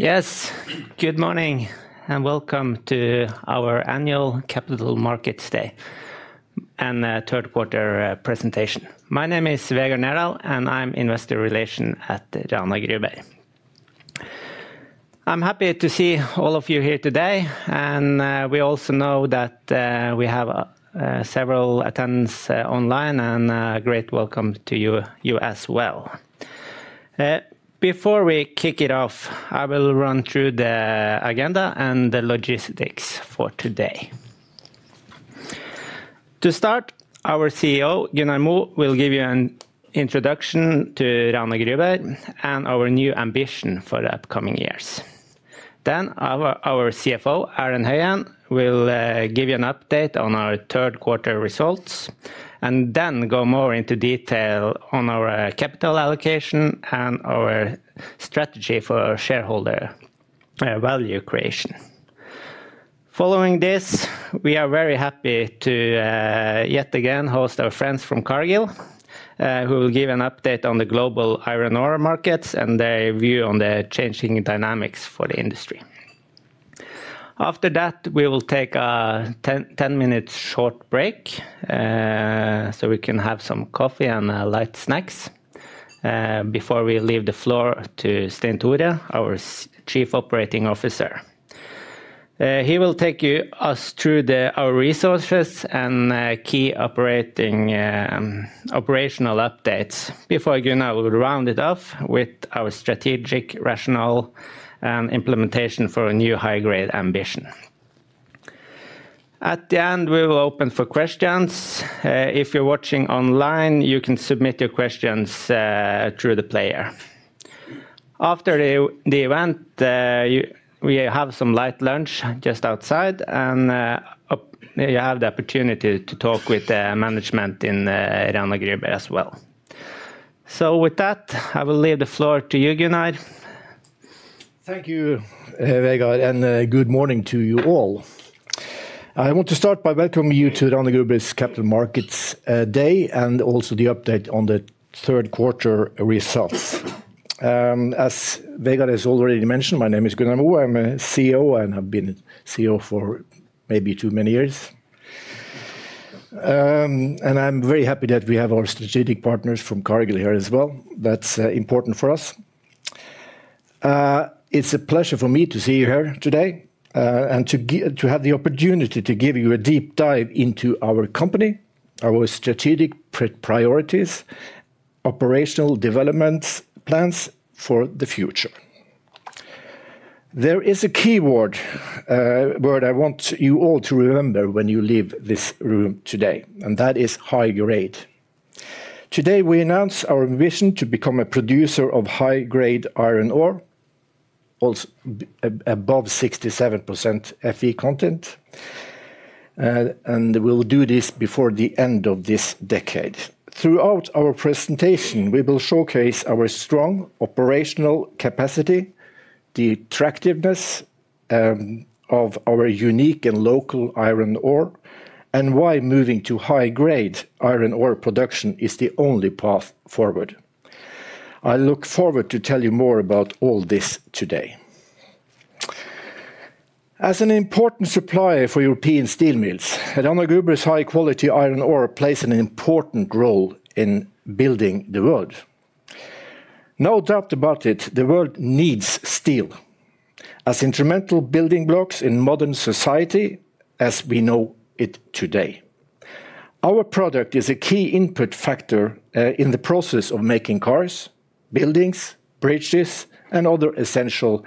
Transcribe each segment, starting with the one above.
Yes, good morning and welcome to our annual Capital Markets Day and third quarter presentation. My name is Vegard Nerdal, and I'm Investor Relations at Rana Gruber. I'm happy to see all of you here today, and we also know that we have several attendants online, and a great welcome to you as well. Before we kick it off, I will run through the agenda and the logistics for today. To start, our CEO, Gunnar Moe, will give you an introduction to Rana Gruber and our new ambition for the upcoming years. Then our CFO, Erlend Høyen, will give you an update on our third quarter results, and then go more into detail on our capital allocation and our strategy for shareholder value creation. Following this, we are very happy to yet again host our friends from Cargill, who will give an update on the global iron ore markets and their view on the changing dynamics for the industry. After that, we will take a 10-minute short break so we can have some coffee and light snacks before we leave the floor to Stein-Tore, our Chief Operating Officer. He will take us through our resources and key operational updates before Gunnar would round it off with our strategic rationale and implementation for a new high-grade ambition. At the end, we will open for questions. If you're watching online, you can submit your questions through the player. After the event, we have some light lunch just outside, and you have the opportunity to talk with the management in Rana Gruber as well. With that, I will leave the floor to you, Gunnar. Thank you, Vegard, and good morning to you all. I want to start by welcoming you to Rana Gruber's Capital Markets Day and also the update on the third quarter results. As Vegard has already mentioned, my name is Gunnar Moe. I'm CEO and have been a CEO for maybe too many years. I'm very happy that we have our strategic partners from Cargill here as well. That's important for us. It's a pleasure for me to see you here today and to have the opportunity to give you a deep dive into our company, our strategic priorities, operational development plans for the future. There is a key word I want you all to remember when you leave this room today, and that is high grade. Today, we announce our ambition to become a producer of high-grade iron ore, also above 67% FE content, and we'll do this before the end of this decade. Throughout our presentation, we will showcase our strong operational capacity, the attractiveness of our unique and local iron ore, and why moving to high-grade iron ore production is the only path forward. I look forward to tell you more about all this today. As an important supplier for European steel mills, Rana Gruber's high-quality iron ore plays an important role in building the world. No doubt about it, the world needs steel as instrumental building blocks in modern society as we know it today. Our product is a key input factor in the process of making cars, buildings, bridges, and other essential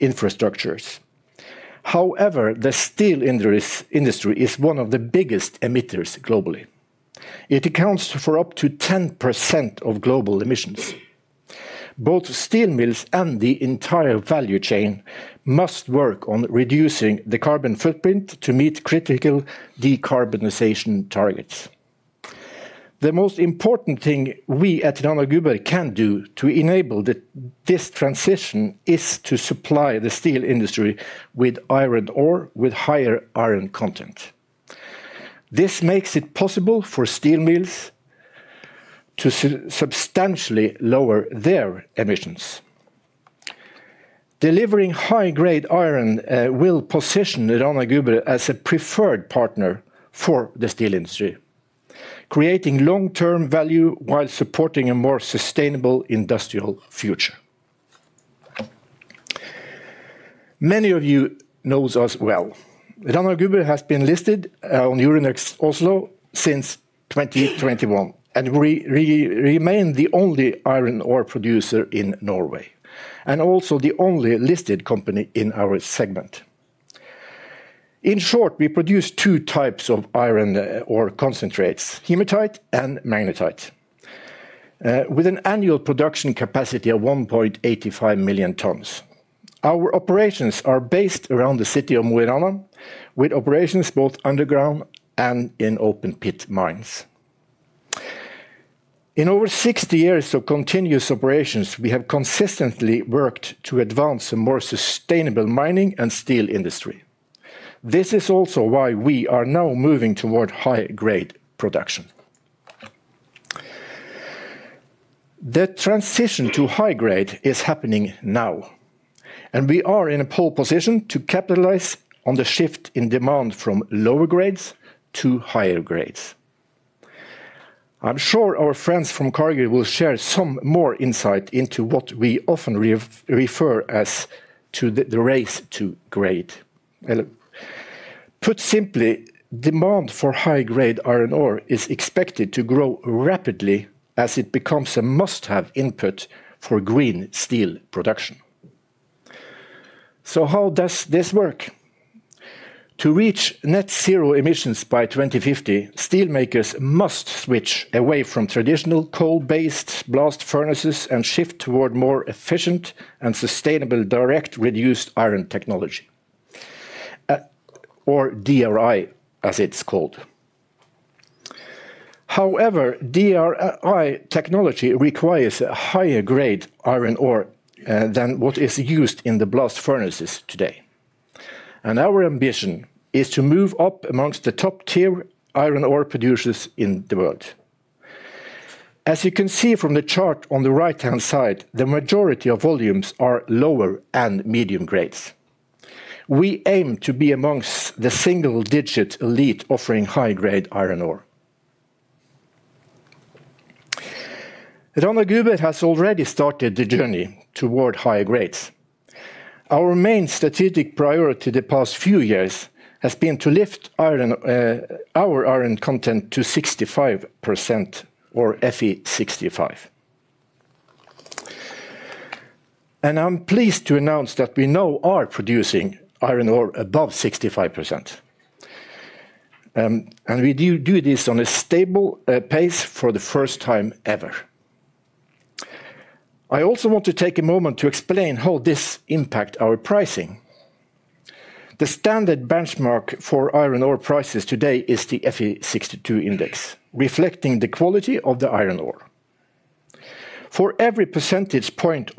infrastructures. However, the steel industry is one of the biggest emitters globally. It accounts for up to 10% of global emissions. Both steel mills and the entire value chain must work on reducing the carbon footprint to meet critical decarbonization targets. The most important thing we at Rana Gruber can do to enable this transition is to supply the steel industry with iron ore with higher iron content. This makes it possible for steel mills to substantially lower their emissions. Delivering high-grade iron will position Rana Gruber as a preferred partner for the steel industry, creating long-term value while supporting a more sustainable industrial future. Many of you know us well. Rana Gruber has been listed on Euronext Oslo since 2021 and remains the only iron ore producer in Norway and also the only listed company in our segment. In short, we produce two types of iron ore concentrates, hematite and magnetite, with an annual production capacity of 1.85 million tons. Our operations are based around the city of Mo i Rana, with operations both underground and in open-pit mines. In over 60 years of continuous operations, we have consistently worked to advance a more sustainable mining and steel industry. This is also why we are now moving toward high-grade production. The transition to high-grade is happening now, and we are in a pole position to capitalize on the shift in demand from lower grades to higher grades. I'm sure our friends from Cargill will share some more insight into what we often refer to as the race to grade. Put simply, demand for high-grade iron ore is expected to grow rapidly as it becomes a must-have input for green steel production. So how does this work? To reach net zero emissions by 2050, steelmakers must switch away from traditional coal-based blast furnaces and shift toward more efficient and sustainable direct-reduced iron technology, or DRI, as it's called. However, DRI technology requires a higher grade iron ore than what is used in the blast furnaces today. Our ambition is to move up amongst the top-tier iron ore producers in the world. As you can see from the chart on the right-hand side, the majority of volumes are lower and medium grades. We aim to be amongst the single-digit elite offering high-grade iron ore. Rana Gruber has already started the journey toward high grades. Our main strategic priority the past few years has been to lift our iron content to 65%, or FE65. I'm pleased to announce that we now are producing iron ore above 65%. We do this on a stable pace for the first time ever. I also want to take a moment to explain how this impacts our pricing. The standard benchmark for iron ore prices today is the FE62 index, reflecting the quality of the iron ore. For every percentage point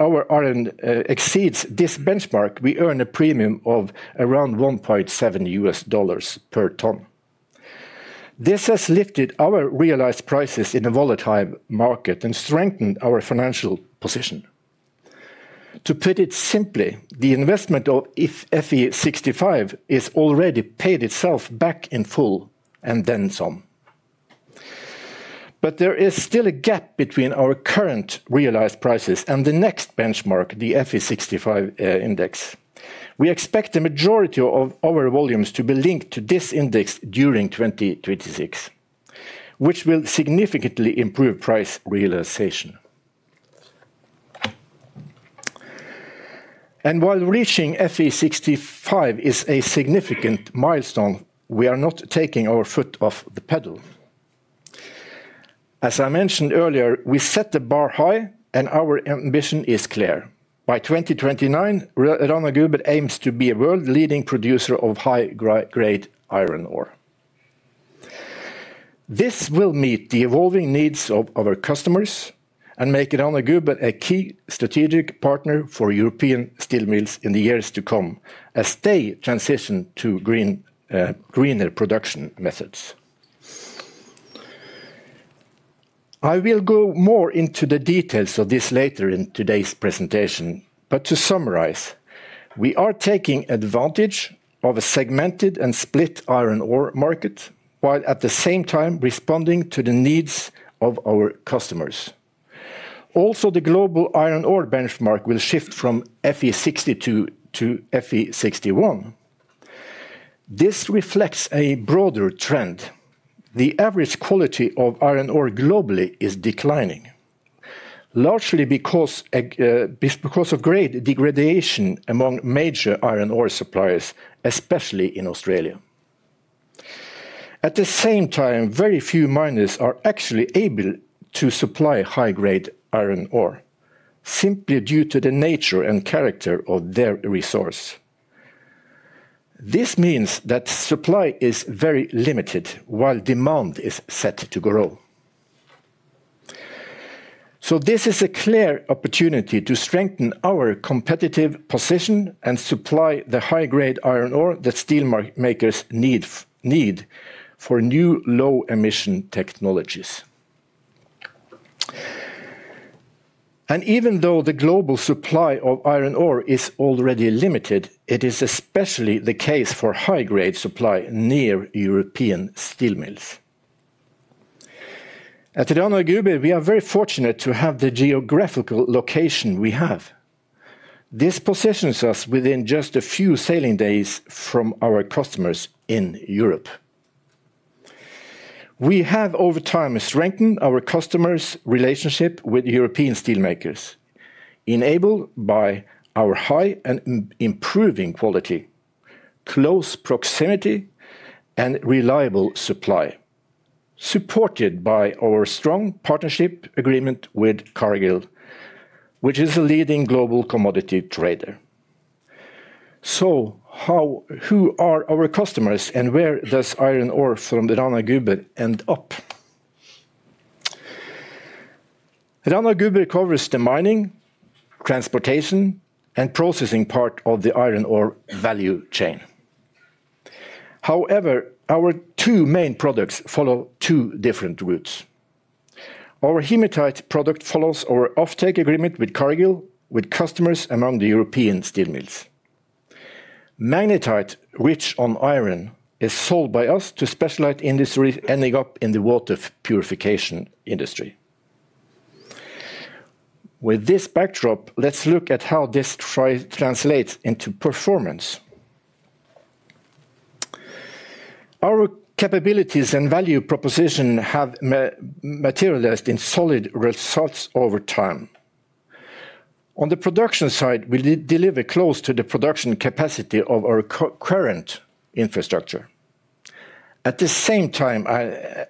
our iron exceeds this benchmark, we earn a premium of around $1.7 per ton. This has lifted our realized prices in a volatile market and strengthened our financial position. To put it simply, the investment of FE65 has already paid itself back in full and then some. There is still a gap between our current realized prices and the next benchmark, the FE65 index. We expect the majority of our volumes to be linked to this index during 2026, which will significantly improve price realization. While reaching FE65 is a significant milestone, we are not taking our foot off the pedal. As I mentioned earlier, we set the bar high, and our ambition is clear. By 2029, Rana Gruber aims to be a world-leading producer of high-grade iron ore. This will meet the evolving needs of our customers and make Rana Gruber a key strategic partner for European steel mills in the years to come as they transition to greener production methods. I will go more into the details of this later in today's presentation, but to summarize, we are taking advantage of a segmented and split iron ore market while at the same time responding to the needs of our customers. Also, the global iron ore benchmark will shift from FE62 to FE61. This reflects a broader trend. The average quality of iron ore globally is declining, largely because of grade degradation among major iron ore suppliers, especially in Australia. At the same time, very few miners are actually able to supply high-grade iron ore, simply due to the nature and character of their resource. This means that supply is very limited while demand is set to grow. This is a clear opportunity to strengthen our competitive position and supply the high-grade iron ore that steel makers need for new low-emission technologies. Even though the global supply of iron ore is already limited, it is especially the case for high-grade supply near European steel mills. At Rana Gruber, we are very fortunate to have the geographical location we have. This positions us within just a few sailing days from our customers in Europe. We have, over time, strengthened our customers' relationship with European steel makers, enabled by our high and improving quality, close proximity, and reliable supply, supported by our strong partnership agreement with Cargill, which is a leading global commodity trader. Who are our customers, and where does iron ore from Rana Gruber end up? Rana Gruber covers the mining, transportation, and processing part of the iron ore value chain. However, our two main products follow two different routes. Our hematite product follows our offtake agreement with Cargill, with customers among the European steel mills. Magnetite, rich on iron, is sold by us to specialized industries ending up in the water purification industry. With this backdrop, let's look at how this translates into performance. Our capabilities and value proposition have materialized in solid results over time. On the production side, we deliver close to the production capacity of our current infrastructure. At the same time,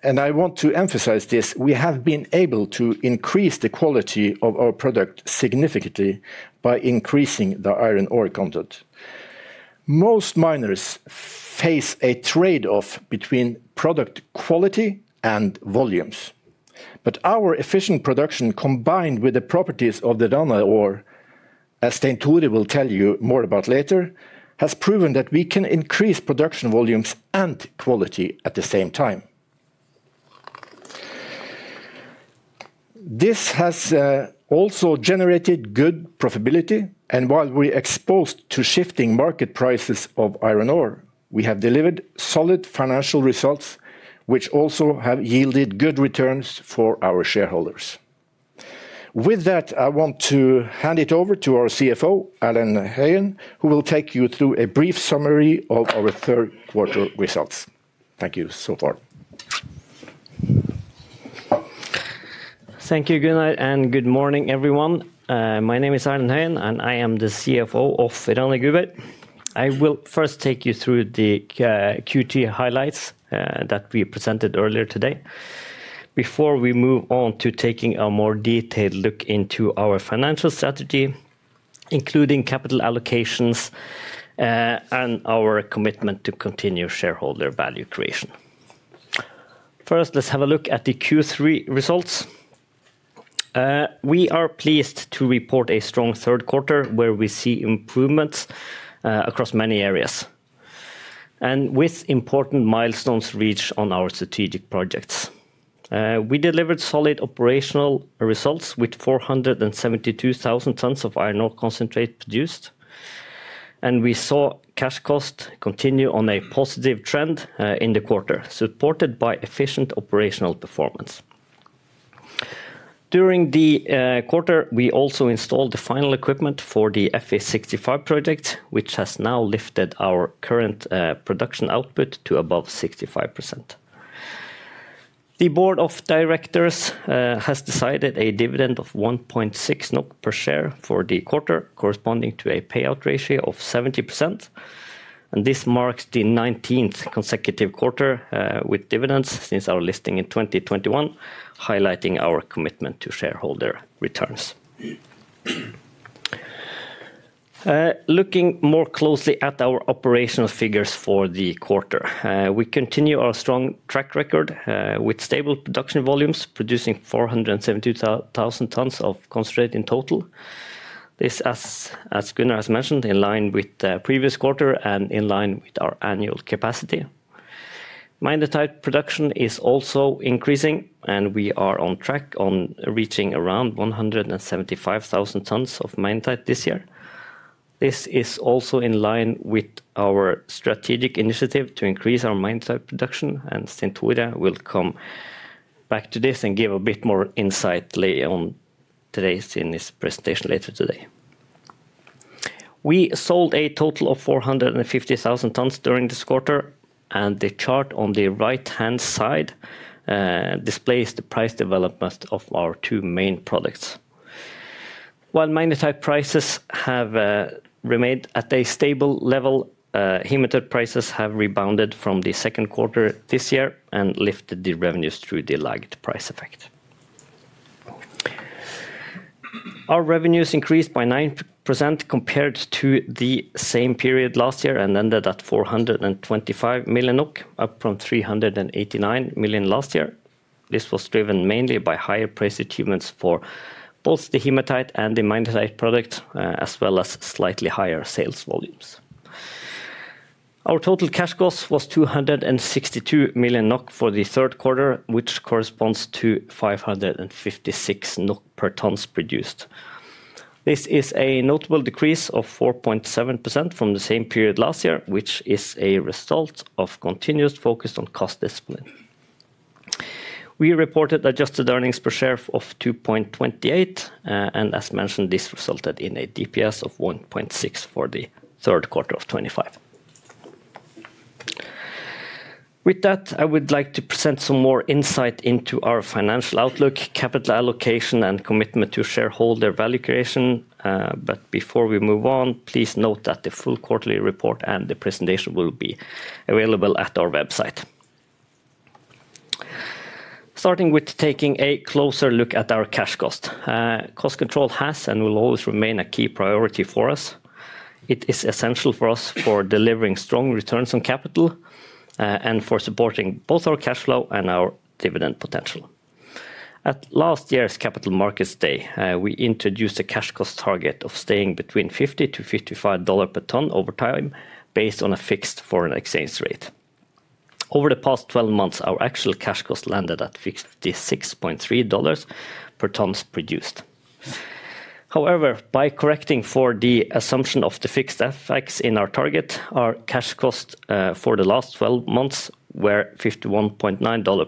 and I want to emphasize this, we have been able to increase the quality of our product significantly by increasing the iron ore content. Most miners face a trade-off between product quality and volumes. Our efficient production, combined with the properties of the Dunite ore, as Stein-Tore will tell you more about later, has proven that we can increase production volumes and quality at the same time. This has also generated good profitability. While we are exposed to shifting market prices of iron ore, we have delivered solid financial results, which also have yielded good returns for our shareholders. With that, I want to hand it over to our CFO, Erlend Høyen, who will take you through a brief summary of our third-quarter results. Thank you so far. Thank you, Gunnar, and good morning, everyone. My name is Erlend Høyen, and I am the CFO of Rana Gruber. I will first take you through the Q3 highlights that we presented earlier today before we move on to taking a more detailed look into our financial strategy, including capital allocations and our commitment to continue shareholder value creation. First, let's have a look at the Q3 results. We are pleased to report a strong third quarter, where we see improvements across many areas and with important milestones reached on our strategic projects. We delivered solid operational results with 472,000 tons of iron ore concentrate produced, and we saw cash cost continue on a positive trend in the quarter, supported by efficient operational performance. During the quarter, we also installed the final equipment for the FE65 project, which has now lifted our current production output to above 65%. The board of directors has decided a dividend of 1.6 NOK per share for the quarter, corresponding to a payout ratio of 70%. This marks the 19th consecutive quarter with dividends since our listing in 2021, highlighting our commitment to shareholder returns. Looking more closely at our operational figures for the quarter, we continue our strong track record with stable production volumes, producing 472,000 tons of concentrate in total. This, as Gunnar has mentioned, is in line with the previous quarter and in line with our annual capacity. Magnetite production is also increasing, and we are on track to reach around 175,000 tons of magnetite this year. This is also in line with our strategic initiative to increase our magnetite production, and Stein-Tore will come back to this and give a bit more insight later on today in his presentation later today. We sold a total of 450,000 tons during this quarter, and the chart on the right-hand side displays the price development of our two main products. While magnetite prices have remained at a stable level, hematite prices have rebounded from the second quarter this year and lifted the revenues through the lagged price effect. Our revenues increased by 9% compared to the same period last year and ended at 425 million NOK, up from 389 million last year. This was driven mainly by higher price achievements for both the hematite and the magnetite product, as well as slightly higher sales volumes. Our total cash cost was 262 million NOK for the third quarter, which corresponds to 556 NOK per ton produced. This is a notable decrease of 4.7% from the same period last year, which is a result of continuous focus on cost discipline. We reported adjusted earnings per share of $2.28, and as mentioned, this resulted in a DPS of $1.60 for the third quarter of 2025. With that, I would like to present some more insight into our financial outlook, capital allocation, and commitment to shareholder value creation. Before we move on, please note that the full quarterly report and the presentation will be available at our website. Starting with taking a closer look at our cash cost, cost control has and will always remain a key priority for us. It is essential for us for delivering strong returns on capital and for supporting both our cash flow and our dividend potential. At last year's capital markets day, we introduced a cash cost target of staying between $50-$55 per ton over time based on a fixed foreign exchange rate. Over the past 12 months, our actual cash cost landed at $56.3 per ton produced. However, by correcting for the assumption of the fixed effects in our target, our cash cost for the last 12 months were $51.9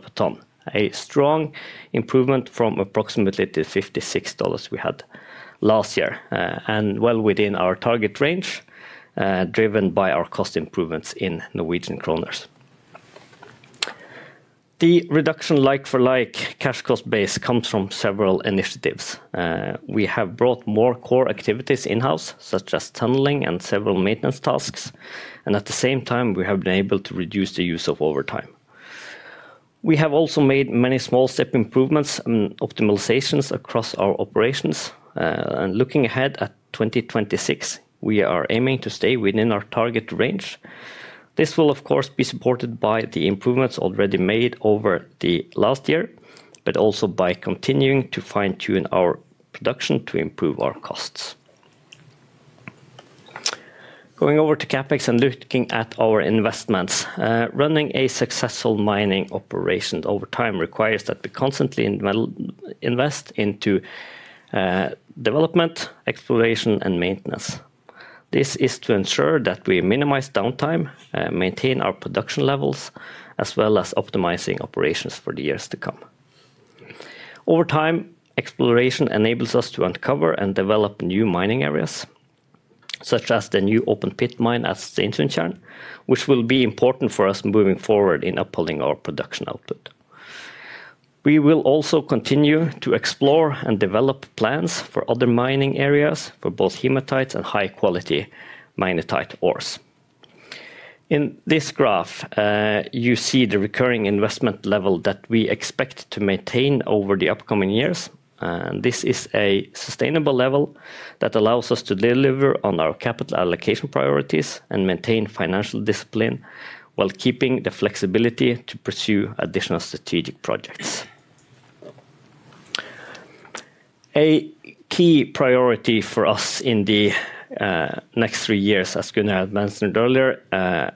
per ton, a strong improvement from approximately the $56 we had last year and well within our target range driven by our cost improvements in Norwegian kronas. The reduction like-for-like cash cost base comes from several initiatives. We have brought more core activities in-house, such as tunneling and several maintenance tasks, and at the same time, we have been able to reduce the use of overtime. We have also made many small step improvements and optimizations across our operations. Looking ahead at 2026, we are aiming to stay within our target range. This will, of course, be supported by the improvements already made over the last year, but also by continuing to fine-tune our production to improve our costs. Going over to CapEx and looking at our investments, running a successful mining operation over time requires that we constantly invest into development, exploration, and maintenance. This is to ensure that we minimize downtime, maintain our production levels, as well as optimize operations for the years to come. Over time, exploration enables us to uncover and develop new mining areas, such as the new open pit mine at Stensundtjern, which will be important for us moving forward in upholding our production output. We will also continue to explore and develop plans for other mining areas for both hematite and high-quality magnetite ores. In this graph, you see the recurring investment level that we expect to maintain over the upcoming years. This is a sustainable level that allows us to deliver on our capital allocation priorities and maintain financial discipline while keeping the flexibility to pursue additional strategic projects. A key priority for us in the next three years, as Gunnar mentioned earlier,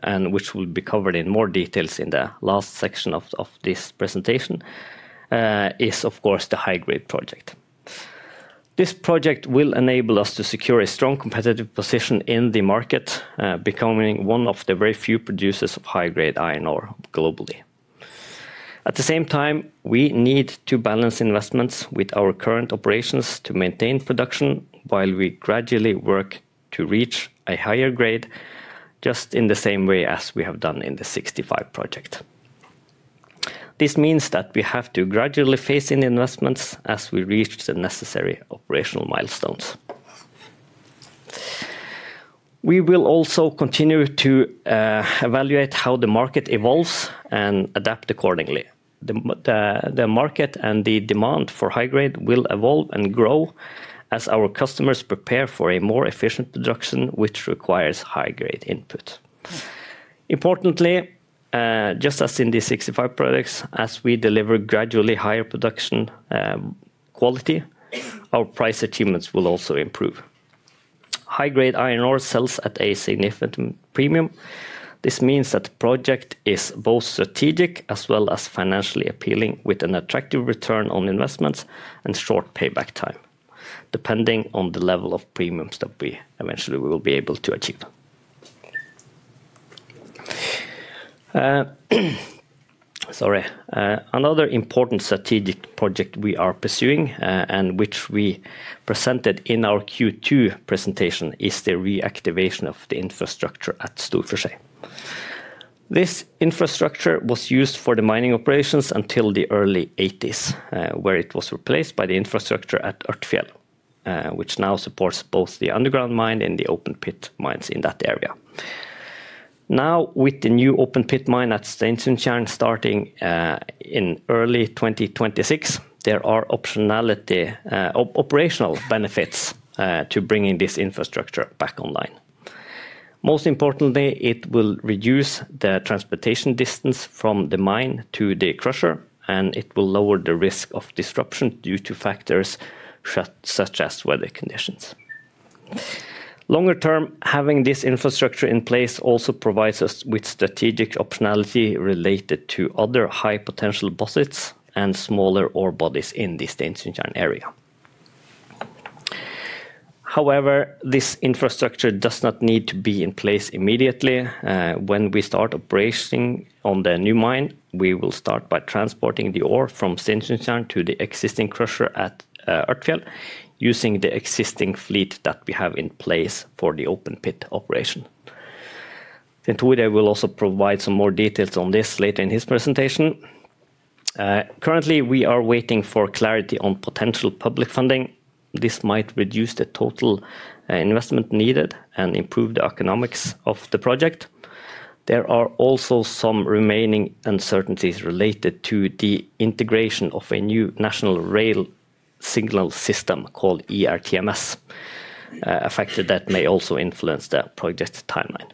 and which will be covered in more detail in the last section of this presentation, is, of course, the high-grade project. This project will enable us to secure a strong competitive position in the market, becoming one of the very few producers of high-grade iron ore globally. At the same time, we need to balance investments with our current operations to maintain production while we gradually work to reach a higher grade, just in the same way as we have done in the 65 project. This means that we have to gradually phase in investments as we reach the necessary operational milestones. We will also continue to evaluate how the market evolves and adapt accordingly. The market and the demand for high-grade will evolve and grow as our customers prepare for a more efficient production, which requires high-grade input. Importantly, just as in the 65 projects, as we deliver gradually higher production quality, our price achievements will also improve. High-grade iron ore sells at a significant premium. This means that the project is both strategic as well as financially appealing, with an attractive return on investments and short payback time, depending on the level of premiums that we eventually will be able to achieve. Sorry. Another important strategic project we are pursuing and which we presented in our Q2 presentation is the reactivation of the infrastructure at Storforshei. This infrastructure was used for the mining operations until the early 1980s, where it was replaced by the infrastructure at Ørtfjell, which now supports both the underground mine and the open pit mines in that area. Now, with the new open pit mine at Stensundtjern starting in early 2026, there are operational benefits to bringing this infrastructure back online. Most importantly, it will reduce the transportation distance from the mine to the crusher, and it will lower the risk of disruption due to factors such as weather conditions. Longer term, having this infrastructure in place also provides us with strategic optionality related to other high-potential deposits and smaller ore bodies in the Stensundtjern area. However, this infrastructure does not need to be in place immediately. When we start operating on the new mine, we will start by transporting the ore from Stensundtjern to the existing crusher at Ørtfjell using the existing fleet that we have in place for the open pit operation. Stein-Tore will also provide some more details on this later in his presentation. Currently, we are waiting for clarity on potential public funding. This might reduce the total investment needed and improve the economics of the project. There are also some remaining uncertainties related to the integration of a new national rail signal system called ERTMS, a factor that may also influence the project timeline.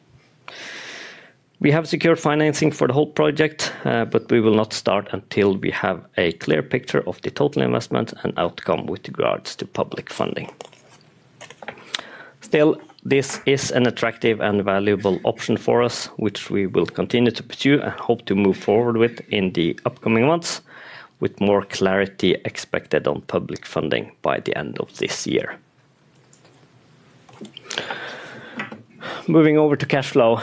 We have secured financing for the whole project, but we will not start until we have a clear picture of the total investment and outcome with regards to public funding. Still, this is an attractive and valuable option for us, which we will continue to pursue and hope to move forward with in the upcoming months, with more clarity expected on public funding by the end of this year. Moving over to cash flow,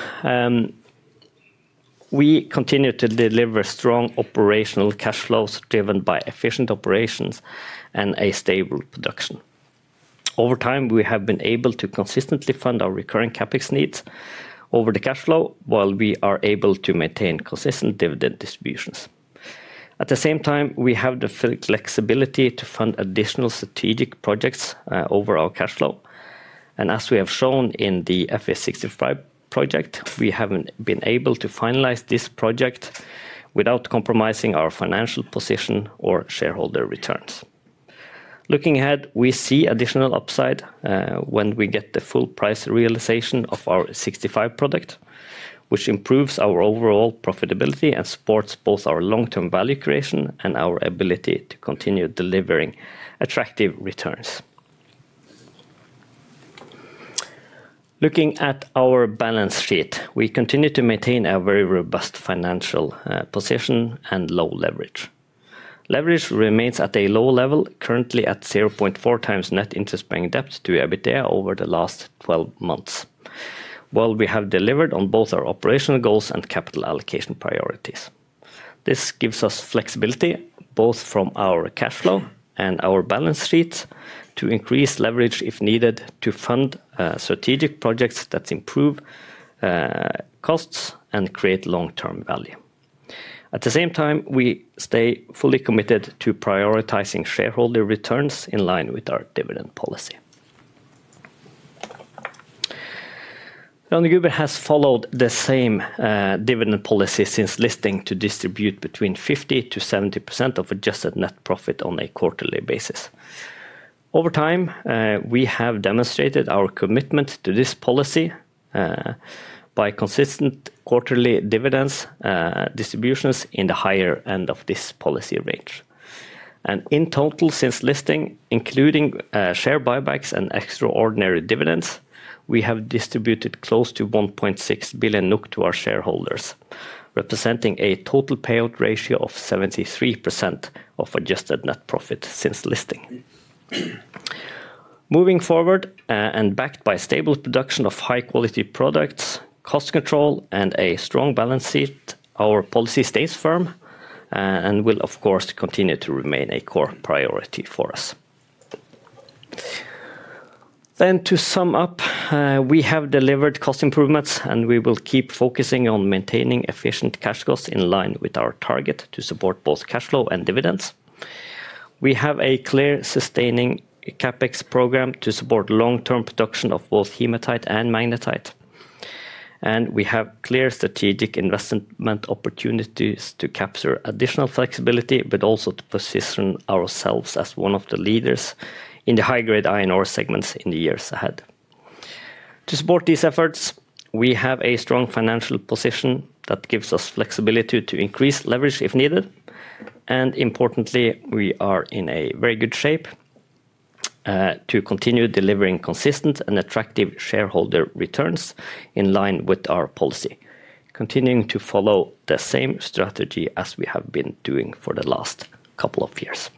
we continue to deliver strong operational cash flows driven by efficient operations and a stable production. Over time, we have been able to consistently fund our recurring CapEx needs over the cash flow, while we are able to maintain consistent dividend distributions. At the same time, we have the flexibility to fund additional strategic projects over our cash flow. As we have shown in the FE65 project, we have been able to finalize this project without compromising our financial position or shareholder returns. Looking ahead, we see additional upside when we get the full price realization of our 65 product, which improves our overall profitability and supports both our long-term value creation and our ability to continue delivering attractive returns. Looking at our balance sheet, we continue to maintain a very robust financial position and low leverage. Leverage remains at a low level, currently at 0.4x net interest-bearing debt to EBITDA over the last 12 months, while we have delivered on both our operational goals and capital allocation priorities. This gives us flexibility both from our cash flow and our balance sheet to increase leverage if needed to fund strategic projects that improve costs and create long-term value. At the same time, we stay fully committed to prioritizing shareholder returns in line with our dividend policy. Rana Gruber has followed the same dividend policy since listing to distribute between 50%-70% of adjusted net profit on a quarterly basis. Over time, we have demonstrated our commitment to this policy by consistent quarterly dividends distributions in the higher end of this policy range. In total, since listing, including share buybacks and extraordinary dividends, we have distributed close to 1.6 billion NOK to our shareholders, representing a total payout ratio of 73% of adjusted net profit since listing. Moving forward and backed by stable production of high-quality products, cost control, and a strong balance sheet, our policy stays firm and will, of course, continue to remain a core priority for us. To sum up, we have delivered cost improvements, and we will keep focusing on maintaining efficient cash costs in line with our target to support both cash flow and dividends. We have a clear sustaining CapEx program to support long-term production of both hematite and magnetite. We have clear strategic investment opportunities to capture additional flexibility, but also to position ourselves as one of the leaders in the high-grade iron ore segments in the years ahead. To support these efforts, we have a strong financial position that gives us flexibility to increase leverage if needed. Importantly, we are in very good shape to continue delivering consistent and attractive shareholder returns in line with our policy, continuing to follow the same strategy as we have been doing for the last couple of years.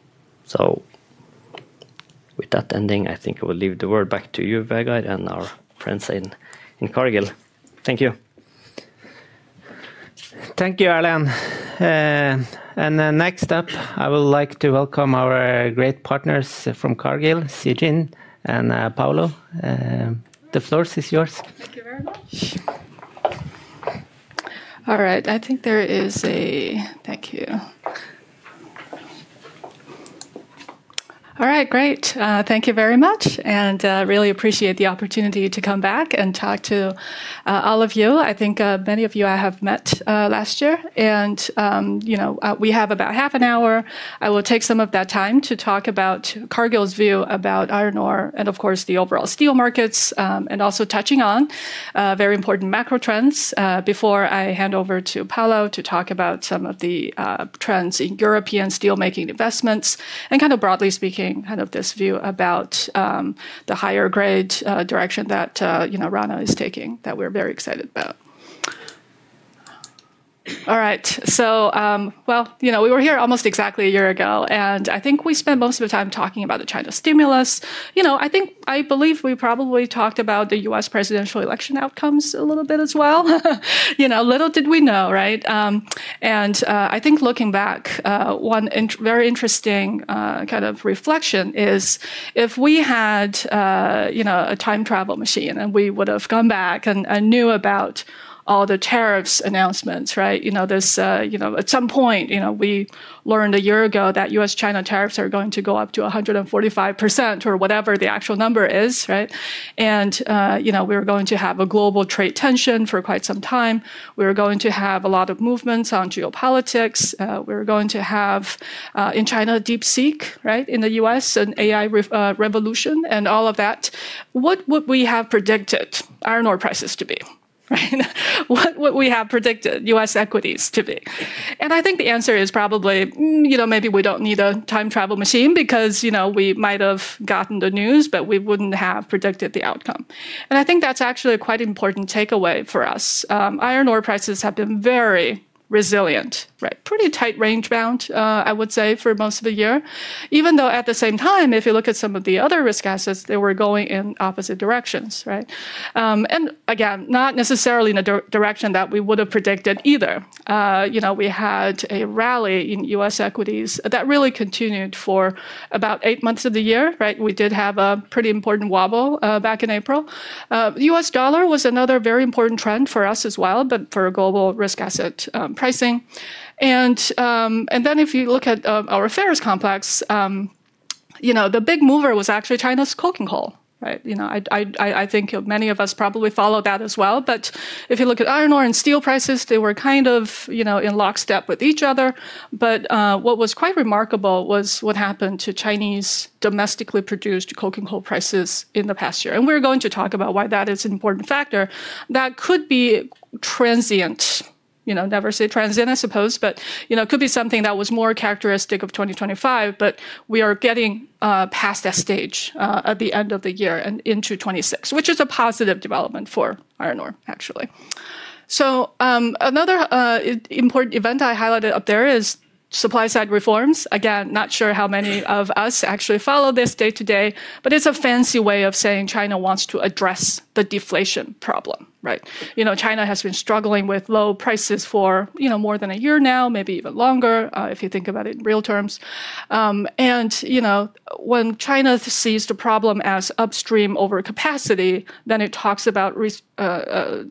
With that ending, I think I will leave the word back to you, Vegard, and our friends in Cargill. Thank you. Thank you, Erlend. Next up, I would like to welcome our great partners from Cargill, [Sigrun] and Paolo. The floor is yours. Thank you very much. All right, I think there is a—thank you. All right, great. Thank you very much. I really appreciate the opportunity to come back and talk to all of you. I think many of you I have met last year. We have about half an hour. I will take some of that time to talk about Cargill's view about iron ore and, of course, the overall steel markets, and also touching on very important macro trends before I hand over to Paolo to talk about some of the trends in European steelmaking investments and, kind of broadly speaking, kind of this view about the higher-grade direction that Rana is taking that we are very excited about. All right, we were here almost exactly a year ago, and I think we spent most of the time talking about the China stimulus. I think I believe we probably talked about the U.S. presidential election outcomes a little bit as well. Little did we know, right? I think looking back, one very interesting kind of reflection is if we had a time travel machine and we would have gone back and knew about all the tariffs announcements, right? At some point, we learned a year ago that U.S.-China tariffs are going to go up to 145% or whatever the actual number is, right? We were going to have a global trade tension for quite some time. We were going to have a lot of movements on geopolitics. We were going to have, in China, Deep Seek in the U.S., an AI revolution and all of that. What would we have predicted iron ore prices to be? What would we have predicted U.S. equities to be? I think the answer is probably maybe we do not need a time travel machine because we might have gotten the news, but we would not have predicted the outcome. I think that is actually a quite important takeaway for us. Iron ore prices have been very resilient, pretty tight range bound, I would say, for most of the year, even though at the same time, if you look at some of the other risk assets, they were going in opposite directions. Again, not necessarily in a direction that we would have predicted either. We had a rally in U.S. equities that really continued for about eight months of the year. We did have a pretty important wobble back in April. The U.S. dollar was another very important trend for us as well, but for global risk asset pricing. If you look at our affairs complex, the big mover was actually China's coking coal. I think many of us probably follow that as well. If you look at iron ore and steel prices, they were kind of in lockstep with each other. What was quite remarkable was what happened to Chinese domestically produced coking coal prices in the past year. We are going to talk about why that is an important factor that could be transient. Never say transient, I suppose, but it could be something that was more characteristic of 2025. We are getting past that stage at the end of the year and into 2026, which is a positive development for iron ore, actually. Another important event I highlighted up there is supply-side reforms. Again, not sure how many of us actually follow this day to day, but it's a fancy way of saying China wants to address the deflation problem. China has been struggling with low prices for more than a year now, maybe even longer, if you think about it in real terms. When China sees the problem as upstream overcapacity,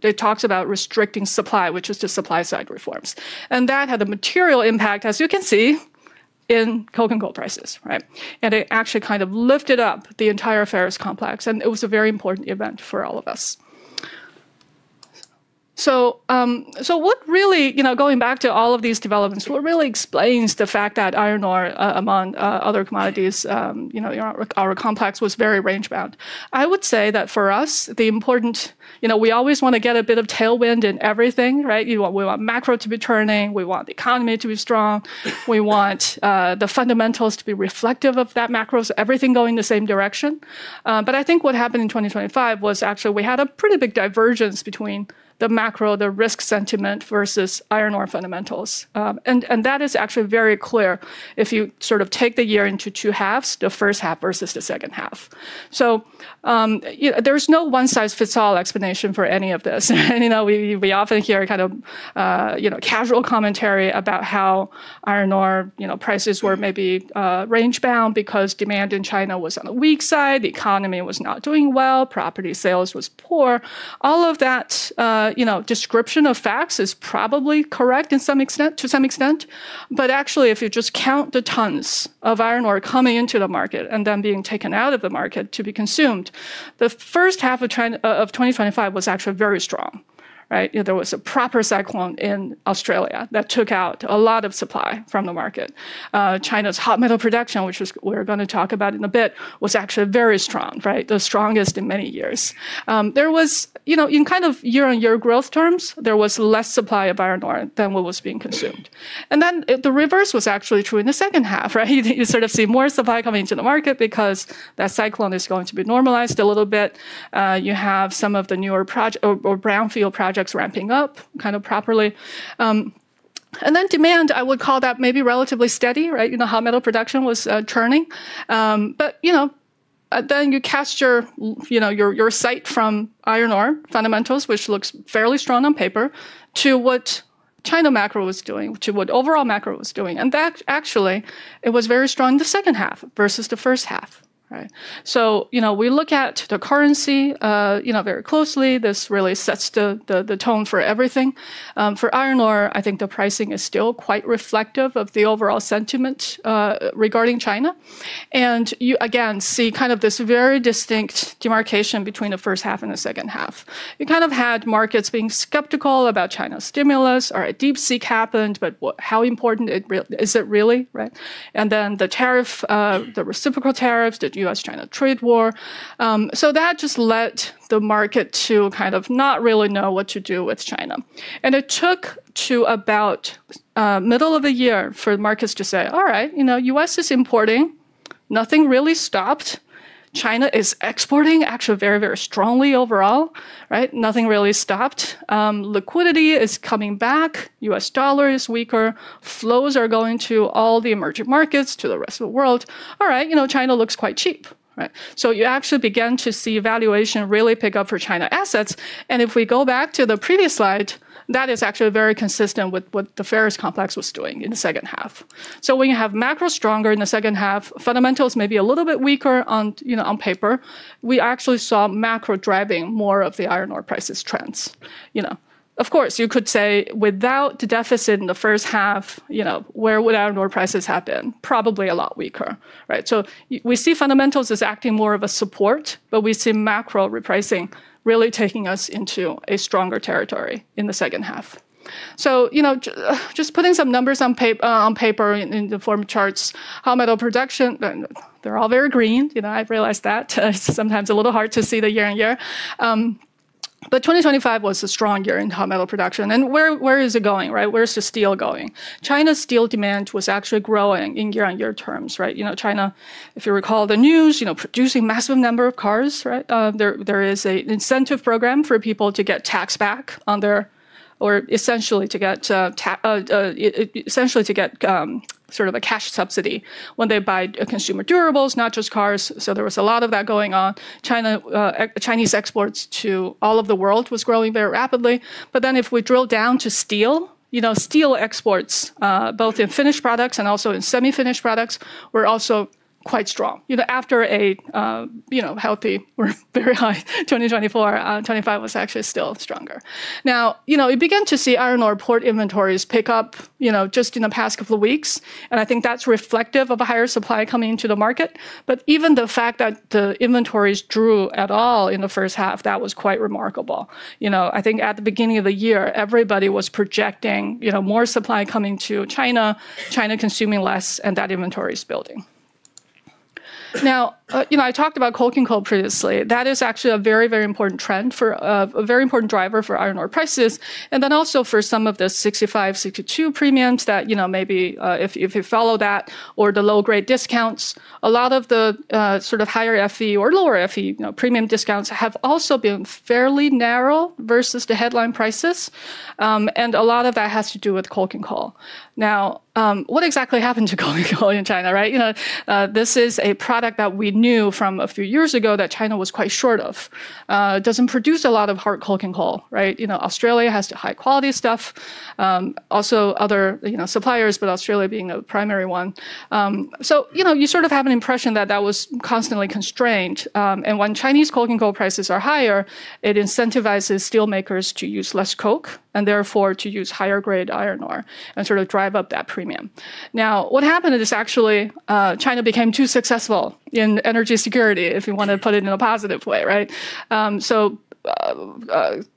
it talks about restricting supply, which is to supply-side reforms. That had a material impact, as you can see, in coking coal prices. It actually kind of lifted up the entire affairs complex. It was a very important event for all of us. What really, going back to all of these developments, what really explains the fact that iron ore, among other commodities, our complex was very range bound? I would say that for us, the important—we always want to get a bit of tailwind in everything. We want macro to be turning. We want the economy to be strong. We want the fundamentals to be reflective of that macro, so everything going the same direction. I think what happened in 2025 was actually we had a pretty big divergence between the macro, the risk sentiment versus iron ore fundamentals. That is actually very clear if you sort of take the year into two halves, the first half versus the second half. There is no one-size-fits-all explanation for any of this. We often hear kind of casual commentary about how iron ore prices were maybe range bound because demand in China was on the weak side. The economy was not doing well. Property sales was poor. All of that description of facts is probably correct to some extent. Actually, if you just count the tons of iron ore coming into the market and then being taken out of the market to be consumed, the first half of 2025 was actually very strong. There was a proper cyclone in Australia that took out a lot of supply from the market. China's hot metal production, which we are going to talk about in a bit, was actually very strong, the strongest in many years. In kind of year-on-year growth terms, there was less supply of iron ore than what was being consumed. The reverse was actually true in the second half. You sort of see more supply coming into the market because that cyclone is going to be normalized a little bit. You have some of the newer brownfield projects ramping up kind of properly. Demand, I would call that maybe relatively steady, how metal production was turning. Then you cast your sight from iron ore fundamentals, which looks fairly strong on paper, to what China macro was doing, to what overall macro was doing. That actually, it was very strong in the second half versus the first half. We look at the currency very closely. This really sets the tone for everything. For iron ore, I think the pricing is still quite reflective of the overall sentiment regarding China. You, again, see kind of this very distinct demarcation between the first half and the second half. You kind of had markets being skeptical about China's stimulus or a Deep Seek happened, but how important is it really? Then the tariff, the reciprocal tariffs, the U.S.-China trade war. That just led the market to kind of not really know what to do with China. It took to about middle of the year for the markets to say, all right, U.S. is importing. Nothing really stopped. China is exporting actually very, very strongly overall. Nothing really stopped. Liquidity is coming back. U.S. dollar is weaker. Flows are going to all the emerging markets, to the rest of the world. All right, China looks quite cheap. You actually began to see valuation really pick up for China assets. If we go back to the previous slide, that is actually very consistent with what the affairs complex was doing in the second half. When you have macro stronger in the second half, fundamentals may be a little bit weaker on paper. We actually saw macro driving more of the iron ore prices trends. Of course, you could say without the deficit in the first half, where would iron ore prices have been? Probably a lot weaker. We see fundamentals as acting more of a support, but we see macro repricing really taking us into a stronger territory in the second half. Just putting some numbers on paper in the form charts, how metal production, they are all very green. I have realized that. It is sometimes a little hard to see the year on year. 2025 was a strong year in how metal production. Where is it going? Where is the steel going? China's steel demand was actually growing in year-on-year terms. China, if you recall the news, producing massive number of cars. There is an incentive program for people to get tax back on their, or essentially to get sort of a cash subsidy when they buy consumer durables, not just cars. There was a lot of that going on. Chinese exports to all of the world were growing very rapidly. If we drill down to steel, steel exports, both in finished products and also in semi-finished products, were also quite strong. After a healthy, very high 2024, 2025 was actually still stronger. You begin to see iron ore port inventories pick up just in the past couple of weeks. I think that is reflective of a higher supply coming into the market. Even the fact that the inventories drew at all in the first half, that was quite remarkable. I think at the beginning of the year, everybody was projecting more supply coming to China, China consuming less, and that inventories were building. I talked about coking coal previously. That is actually a very, very important trend, a very important driver for iron ore prices. For some of the 65, 62 premiums, if you follow that, or the low-grade discounts, a lot of the higher FE or lower FE premium discounts have also been fairly narrow versus the headline prices. A lot of that has to do with coking coal. What exactly happened to coking coal in China? This is a product that we knew from a few years ago that China was quite short of. It does not produce a lot of hard coking coal. Australia has the high-quality stuff, also other suppliers, but Australia being a primary one. You have an impression that that was constantly constrained. When Chinese coking coal prices are higher, it incentivizes steelmakers to use less coke and therefore to use higher-grade iron ore and drive up that premium. Now, what happened is actually China became too successful in energy security, if you want to put it in a positive way.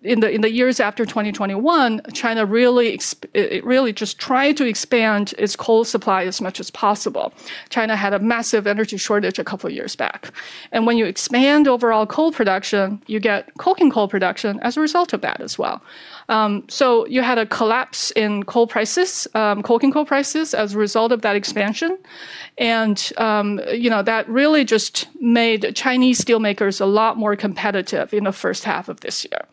In the years after 2021, China really just tried to expand its coal supply as much as possible. China had a massive energy shortage a couple of years back. When you expand overall coal production, you get coking coal production as a result of that as well. You had a collapse in coking coal prices as a result of that expansion. That really just made Chinese steelmakers a lot more competitive in the first half of this year.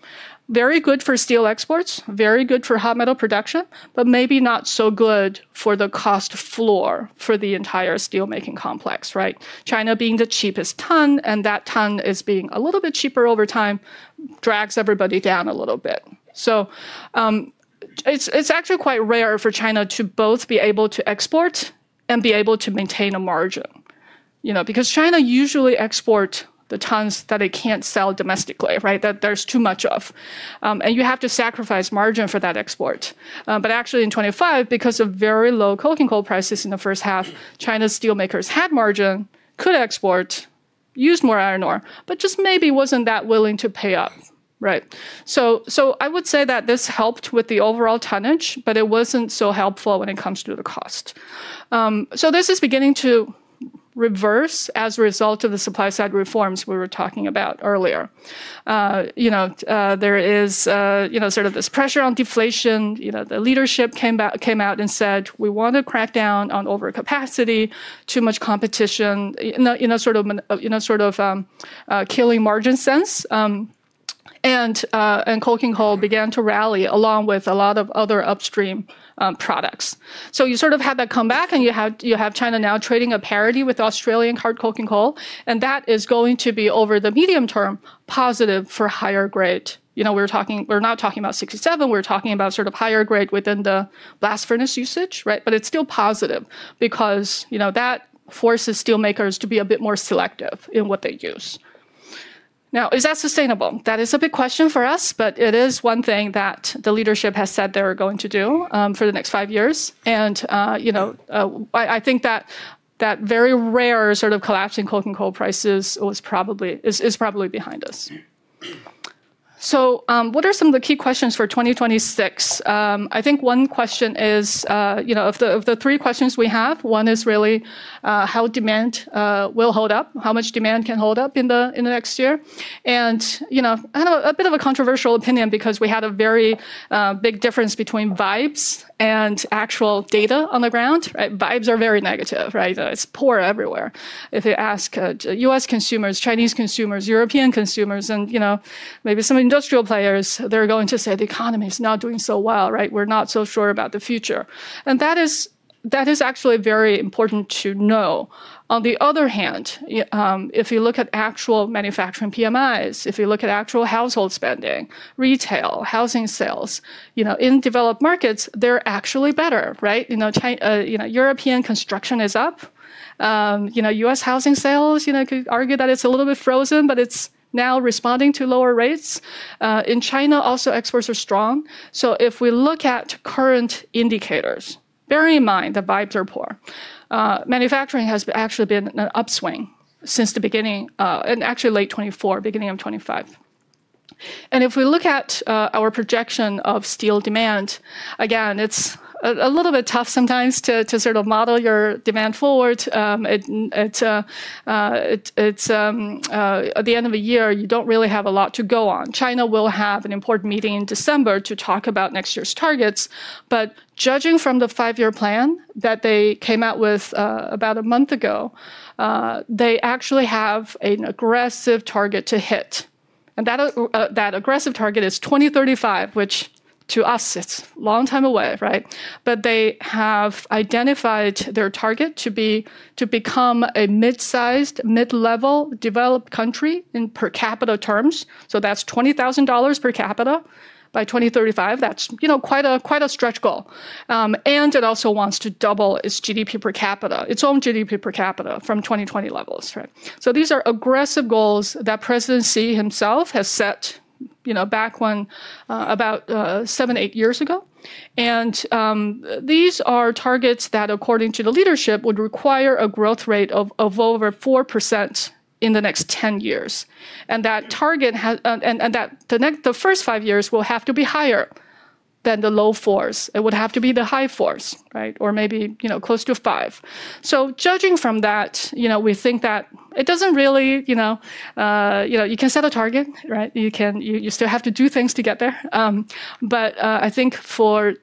Very good for steel exports, very good for hot metal production, but maybe not so good for the cost floor for the entire steelmaking complex. China being the cheapest ton, and that ton is being a little bit cheaper over time drags everybody down a little bit. It is actually quite rare for China to both be able to export and be able to maintain a margin. Because China usually exports the tons that it cannot sell domestically, that there is too much of. You have to sacrifice margin for that export. Actually in 2025, because of very low coking coal prices in the first half, China's steelmakers had margin, could export, use more iron ore, just maybe were not that willing to pay up. I would say that this helped with the overall tonnage, but it was not so helpful when it comes to the cost. This is beginning to reverse as a result of the supply-side reforms we were talking about earlier. There is sort of this pressure on deflation. The leadership came out and said, we want to crack down on overcapacity, too much competition, sort of killing margin sense. Coking coal began to rally along with a lot of other upstream products. You sort of have that come back, and you have China now trading at parity with Australian hard coking coal. That is going to be, over the medium term, positive for higher grade. We're not talking about 67. We're talking about sort of higher grade within the blast furnace usage. It is still positive because that forces steelmakers to be a bit more selective in what they use. Now, is that sustainable? That is a big question for us, but it is one thing that the leadership has said they're going to do for the next five years. I think that very rare sort of collapsing coking coal prices is probably behind us. What are some of the key questions for 2026? I think one question is of the three questions we have, one is really how demand will hold up, how much demand can hold up in the next year. I have a bit of a controversial opinion because we had a very big difference between vibes and actual data on the ground. Vibes are very negative. It's poor everywhere. If you ask U.S. consumers, Chinese consumers, European consumers, and maybe some industrial players, they're going to say the economy is not doing so well. We're not so sure about the future. That is actually very important to know. On the other hand, if you look at actual manufacturing PMIs, if you look at actual household spending, retail, housing sales, in developed markets, they're actually better. European construction is up. U.S. housing sales, you could argue that it's a little bit frozen, but it's now responding to lower rates. In China, also, exports are strong. If we look at current indicators, bearing in mind that vibes are poor, manufacturing has actually been in an upswing since the beginning, and actually late 2024, beginning of 2025. If we look at our projection of steel demand, again, it's a little bit tough sometimes to sort of model your demand forward. At the end of the year, you don't really have a lot to go on. China will have an important meeting in December to talk about next year's targets. Judging from the five-year plan that they came out with about a month ago, they actually have an aggressive target to hit. That aggressive target is 2035, which to us, it's a long time away. They have identified their target to become a mid-sized, mid-level developed country in per capita terms. That is $20,000 per capita. By 2035, that is quite a stretch goal. It also wants to double its GDP per capita, its own GDP per capita from 2020 levels. These are aggressive goals that President Xi himself has set back when about seven, eight years ago. These are targets that, according to the leadership, would require a growth rate of over 4% in the next 10 years. That target, and the first five years will have to be higher than the low fours. It would have to be the high fours, or maybe close to five. Judging from that, we think that it doesn't really, you can set a target. You still have to do things to get there. I think for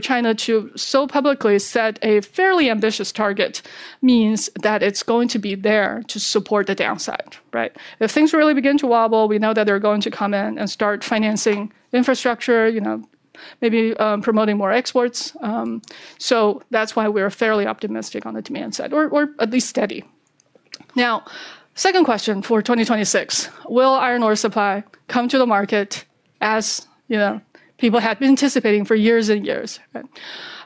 China to so publicly set a fairly ambitious target means that it's going to be there to support the downside. If things really begin to wobble, we know that they're going to come in and start financing infrastructure, maybe promoting more exports. That's why we're fairly optimistic on the demand side, or at least steady. Now, second question for 2026. Will iron ore supply come to the market as people have been anticipating for years and years?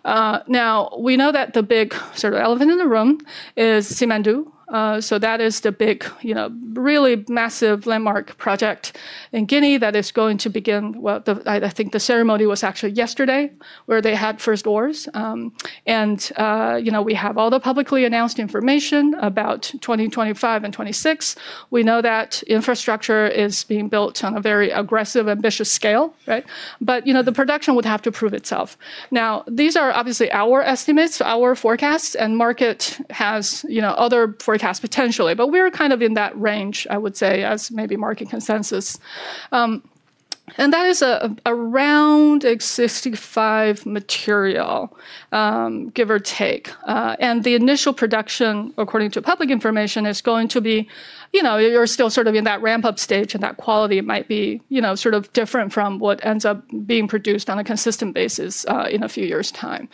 We know that the big sort of elephant in the room is Simandou. That is the big, really massive landmark project in Guinea that is going to begin. I think the ceremony was actually yesterday, where they had first ores. We have all the publicly announced information about 2025 and 2026. We know that infrastructure is being built on a very aggressive, ambitious scale. The production would have to prove itself. Now, these are obviously our estimates, our forecasts, and market has other forecasts potentially. We are kind of in that range, I would say, as maybe market consensus. That is around 65 material, give or take. The initial production, according to public information, is going to be you are still sort of in that ramp-up stage, and that quality might be sort of different from what ends up being produced on a consistent basis in a few years' time.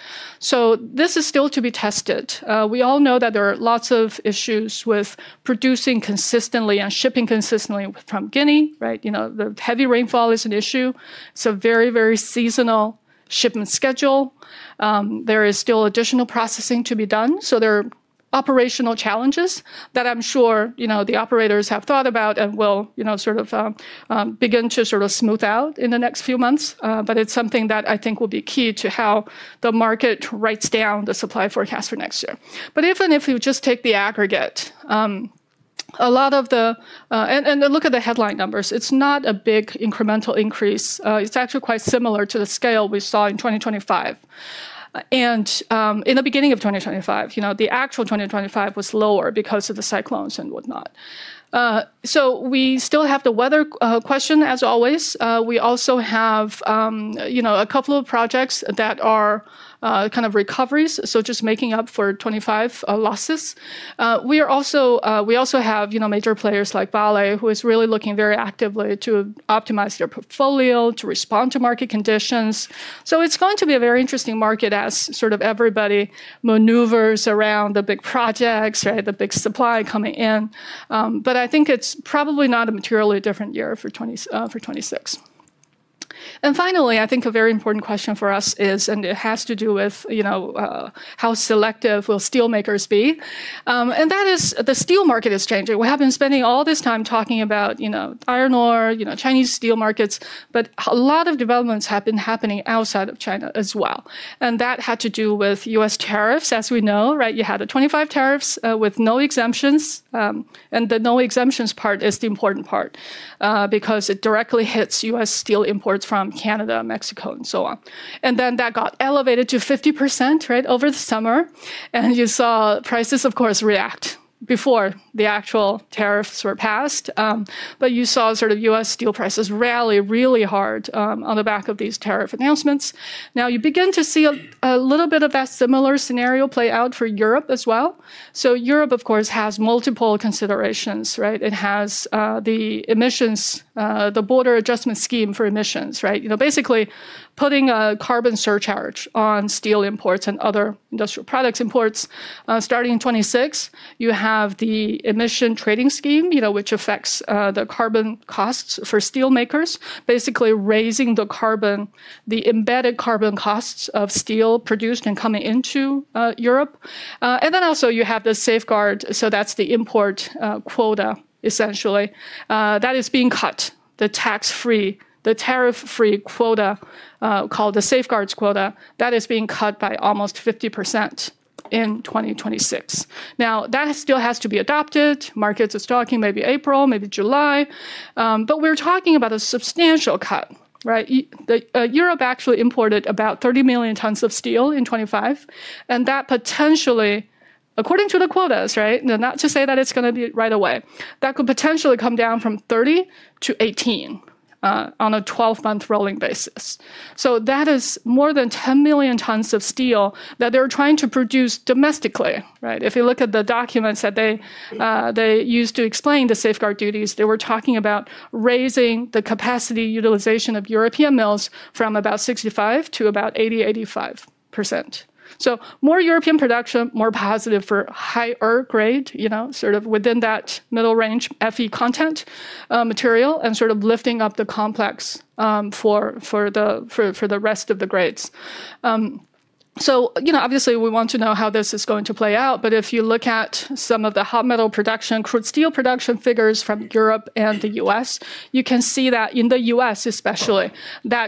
This is still to be tested. We all know that there are lots of issues with producing consistently and shipping consistently from Guinea. The heavy rainfall is an issue. It is a very, very seasonal shipment schedule. There is still additional processing to be done. There are operational challenges that I am sure the operators have thought about and will sort of begin to smooth out in the next few months. It is something that I think will be key to how the market writes down the supply forecast for next year. Even if you just take the aggregate and look at the headline numbers, it is not a big incremental increase. It is actually quite similar to the scale we saw in 2025. In the beginning of 2025, the actual 2025 was lower because of the cyclones and whatnot. We still have the weather question, as always. We also have a couple of projects that are kind of recoveries, just making up for 2025 losses. We also have major players like Vale, who is really looking very actively to optimize their portfolio, to respond to market conditions. It is going to be a very interesting market as sort of everybody maneuvers around the big projects, the big supply coming in. I think it is probably not a materially different year for 2026. Finally, I think a very important question for us is, and it has to do with how selective will steelmakers be. That is, the steel market is changing. We have been spending all this time talking about iron ore, Chinese steel markets, but a lot of developments have been happening outside of China as well. That had to do with U.S. tariffs, as we know. You had the 25% tariffs with no exemptions. The no exemptions part is the important part because it directly hits U.S. steel imports from Canada, Mexico, and so on. That got elevated to 50% over the summer. You saw prices, of course, react before the actual tariffs were passed. You saw sort of U.S. steel prices rally really hard on the back of these tariff announcements. Now, you begin to see a little bit of that similar scenario play out for Europe as well. Europe, of course, has multiple considerations. It has the emissions, the border adjustment scheme for emissions, basically putting a carbon surcharge on steel imports and other industrial products imports. Starting in 2026, you have the emission trading scheme, which affects the carbon costs for steelmakers, basically raising the embedded carbon costs of steel produced and coming into Europe. You also have the safeguard. That is the import quota, essentially, that is being cut, the tax-free, the tariff-free quota called the safeguards quota. That is being cut by almost 50% in 2026. Now, that still has to be adopted. Markets are talking maybe April, maybe July. We are talking about a substantial cut. Europe actually imported about 30 million tons of steel in 2025. That potentially, according to the quotas, not to say that it is going to be right away, could potentially come down from 30 to 18 on a 12-month rolling basis. That is more than 10 million tons of steel that they are trying to produce domestically. If you look at the documents that they used to explain the safeguard duties, they were talking about raising the capacity utilization of European mills from about 65% to about 80%, 85%. More European production is more positive for higher grade, sort of within that middle range FE content material and sort of lifting up the complex for the rest of the grades. Obviously, we want to know how this is going to play out. If you look at some of the hot metal production, crude steel production figures from Europe and the U.S., you can see that in the U.S., especially,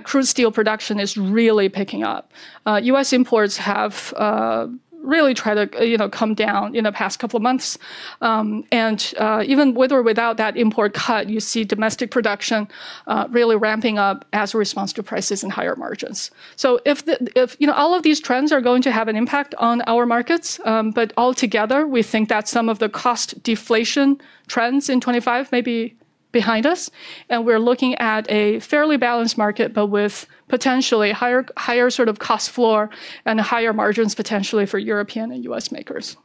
crude steel production is really picking up. U.S. imports have really tried to come down in the past couple of months. Even with or without that import cut, you see domestic production really ramping up as a response to prices and higher margins. All of these trends are going to have an impact on our markets. Altogether, we think that some of the cost deflation trends in 2025 may be behind us. We're looking at a fairly balanced market, but with potentially higher sort of cost floor and higher margins potentially for European and U.S. makers.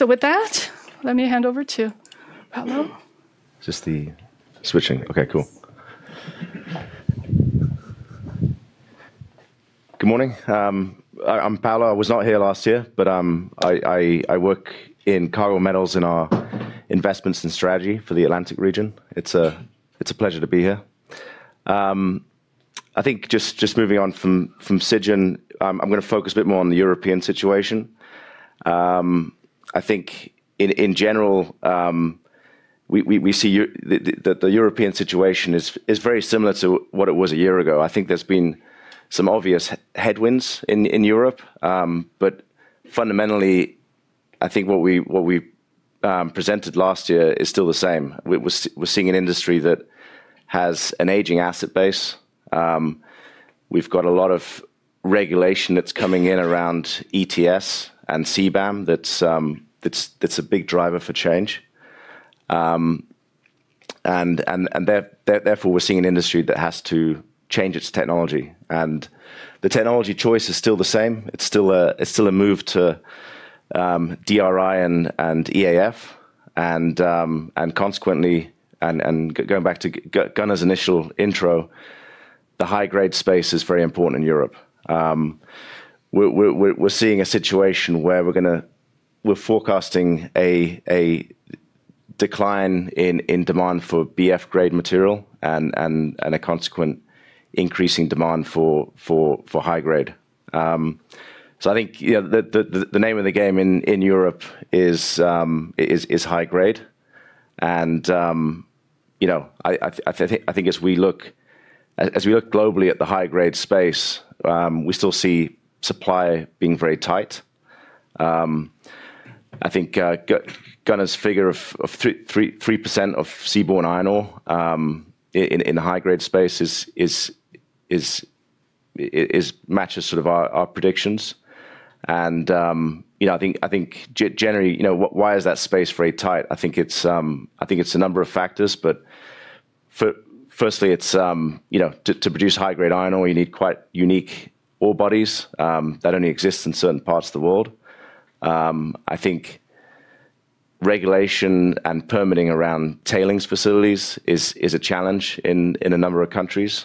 With that, let me hand over to Paolo. Just the switching. OK, cool. Good morning. I'm Paolo. I was not here last year, but I work in Cargill Metals in our investments and strategy for the Atlantic region. It's a pleasure to be here. I think just moving on from Sigrun, I'm going to focus a bit more on the European situation. I think in general, we see that the European situation is very similar to what it was a year ago. I think there's been some obvious headwinds in Europe. Fundamentally, I think what we presented last year is still the same. We're seeing an industry that has an aging asset base. We've got a lot of regulation that's coming in around ETS and CBAM. That's a big driver for change. Therefore, we're seeing an industry that has to change its technology. The technology choice is still the same. It's still a move to DRI and EAF. Consequently, going back to Gunnar's initial intro, the high-grade space is very important in Europe. We're seeing a situation where we're forecasting a decline in demand for BF-grade material and a consequent increasing demand for high-grade. I think the name of the game in Europe is high-grade. I think as we look globally at the high-grade space, we still see supply being very tight. I think Gunnar's figure of 3% of seaborne iron ore in the high-grade space matches sort of our predictions. I think generally, why is that space very tight? I think it's a number of factors. Firstly, to produce high-grade iron ore, you need quite unique ore bodies that only exist in certain parts of the world. I think regulation and permitting around tailings facilities is a challenge in a number of countries.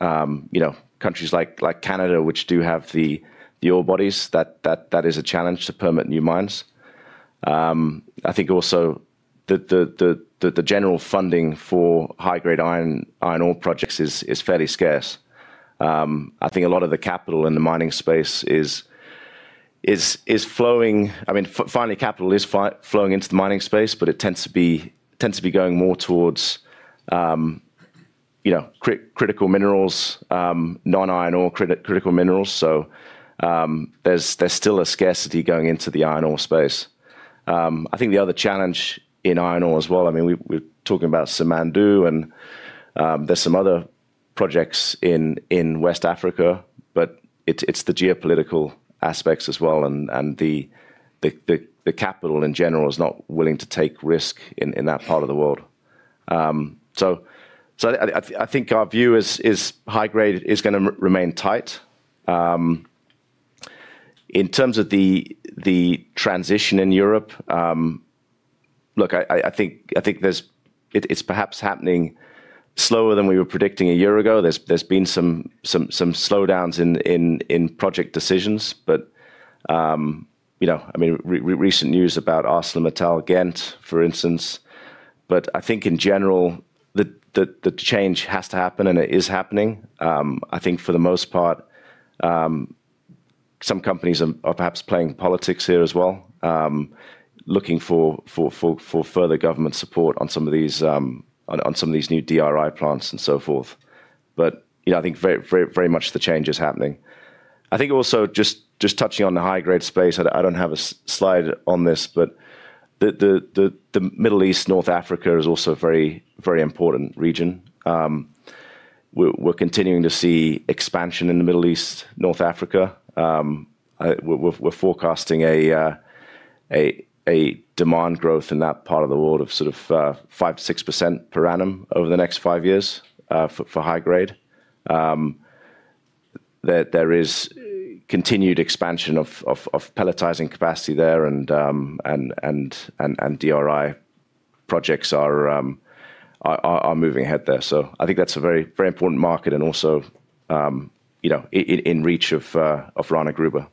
Countries like Canada, which do have the ore bodies, that is a challenge to permit new mines. I think also the general funding for high-grade iron ore projects is fairly scarce. A lot of the capital in the mining space is flowing. I mean, finally, capital is flowing into the mining space, but it tends to be going more towards critical minerals, non-iron ore critical minerals. There's still a scarcity going into the iron ore space. I think the other challenge in iron ore as well, I mean, we're talking about Simandou, and there's some other projects in West Africa. It is the geopolitical aspects as well. The capital in general is not willing to take risk in that part of the world. I think our view is high-grade is going to remain tight. In terms of the transition in Europe, look, I think it is perhaps happening slower than we were predicting a year ago. There have been some slowdowns in project decisions. I mean, recent news about ArcelorMittal again, for instance. I think in general, the change has to happen, and it is happening. I think for the most part, some companies are perhaps playing politics here as well, looking for further government support on some of these new DRI plants and so forth. I think very much the change is happening. I think also just touching on the high-grade space, I do not have a slide on this. The Middle East, North Africa is also a very important region. We're continuing to see expansion in the Middle East, North Africa. We're forecasting a demand growth in that part of the world of 5%-6% per annum over the next five years for high-grade. There is continued expansion of pelletizing capacity there, and DRI projects are moving ahead there. I think that's a very important market and also in reach of Rana Gruber.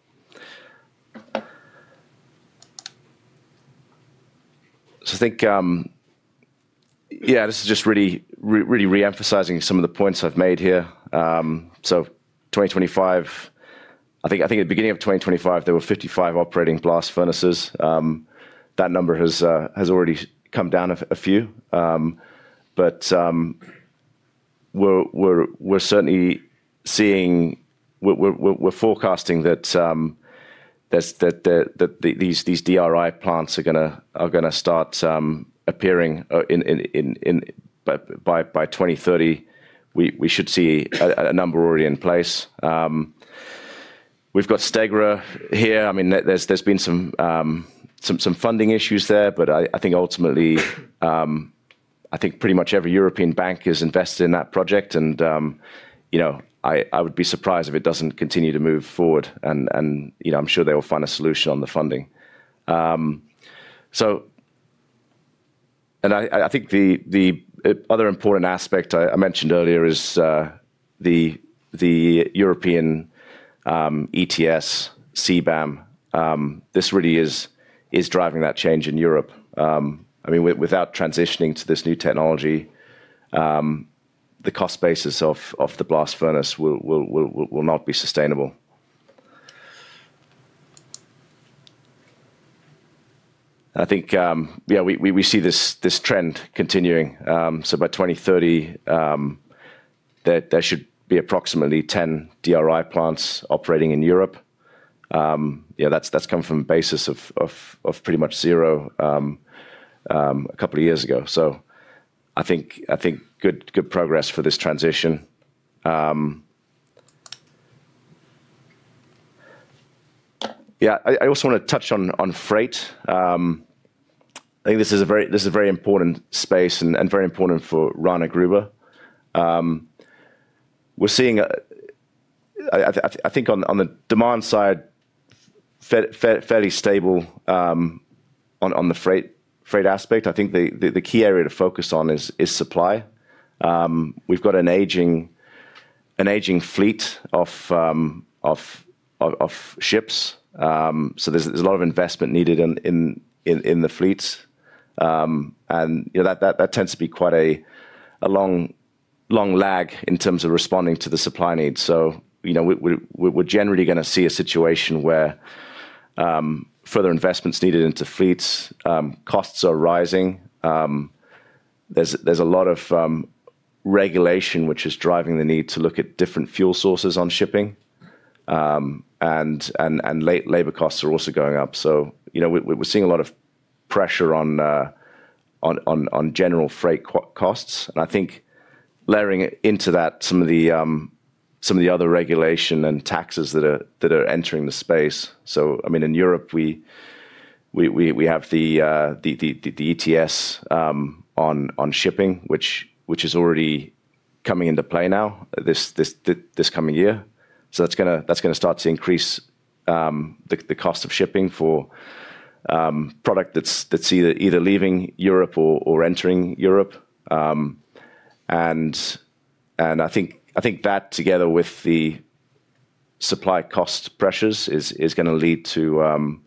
I think, yeah, this is just really reemphasizing some of the points I've made here. For 2025, I think at the beginning of 2025, there were 55 operating blast furnaces. That number has already come down a few. We're certainly seeing, we're forecasting that these DRI plants are going to start appearing by 2030. We should see a number already in place. We've got Stegra here. I mean, there's been some funding issues there. I think ultimately, I think pretty much every European bank is invested in that project. I would be surprised if it does not continue to move forward. I'm sure they will find a solution on the funding. I think the other important aspect I mentioned earlier is the European ETS, CBAM. This really is driving that change in Europe. I mean, without transitioning to this new technology, the cost basis of the blast furnace will not be sustainable. I think, yeah, we see this trend continuing. By 2030, there should be approximately 10 DRI plants operating in Europe. That has come from a basis of pretty much zero a couple of years ago. I think good progress for this transition. Yeah, I also want to touch on freight. I think this is a very important space and very important for Rana Gruber. I think on the demand side, fairly stable on the freight aspect. I think the key area to focus on is supply. We've got an aging fleet of ships. There's a lot of investment needed in the fleets. That tends to be quite a long lag in terms of responding to the supply needs. We're generally going to see a situation where further investment is needed into fleets, costs are rising. There's a lot of regulation which is driving the need to look at different fuel sources on shipping. Labor costs are also going up. We're seeing a lot of pressure on general freight costs. I think layering into that some of the other regulation and taxes that are entering the space. I mean, in Europe, we have the ETS on shipping, which is already coming into play now this coming year. That is going to start to increase the cost of shipping for product that is either leaving Europe or entering Europe. I think that together with the supply cost pressures is going to lead to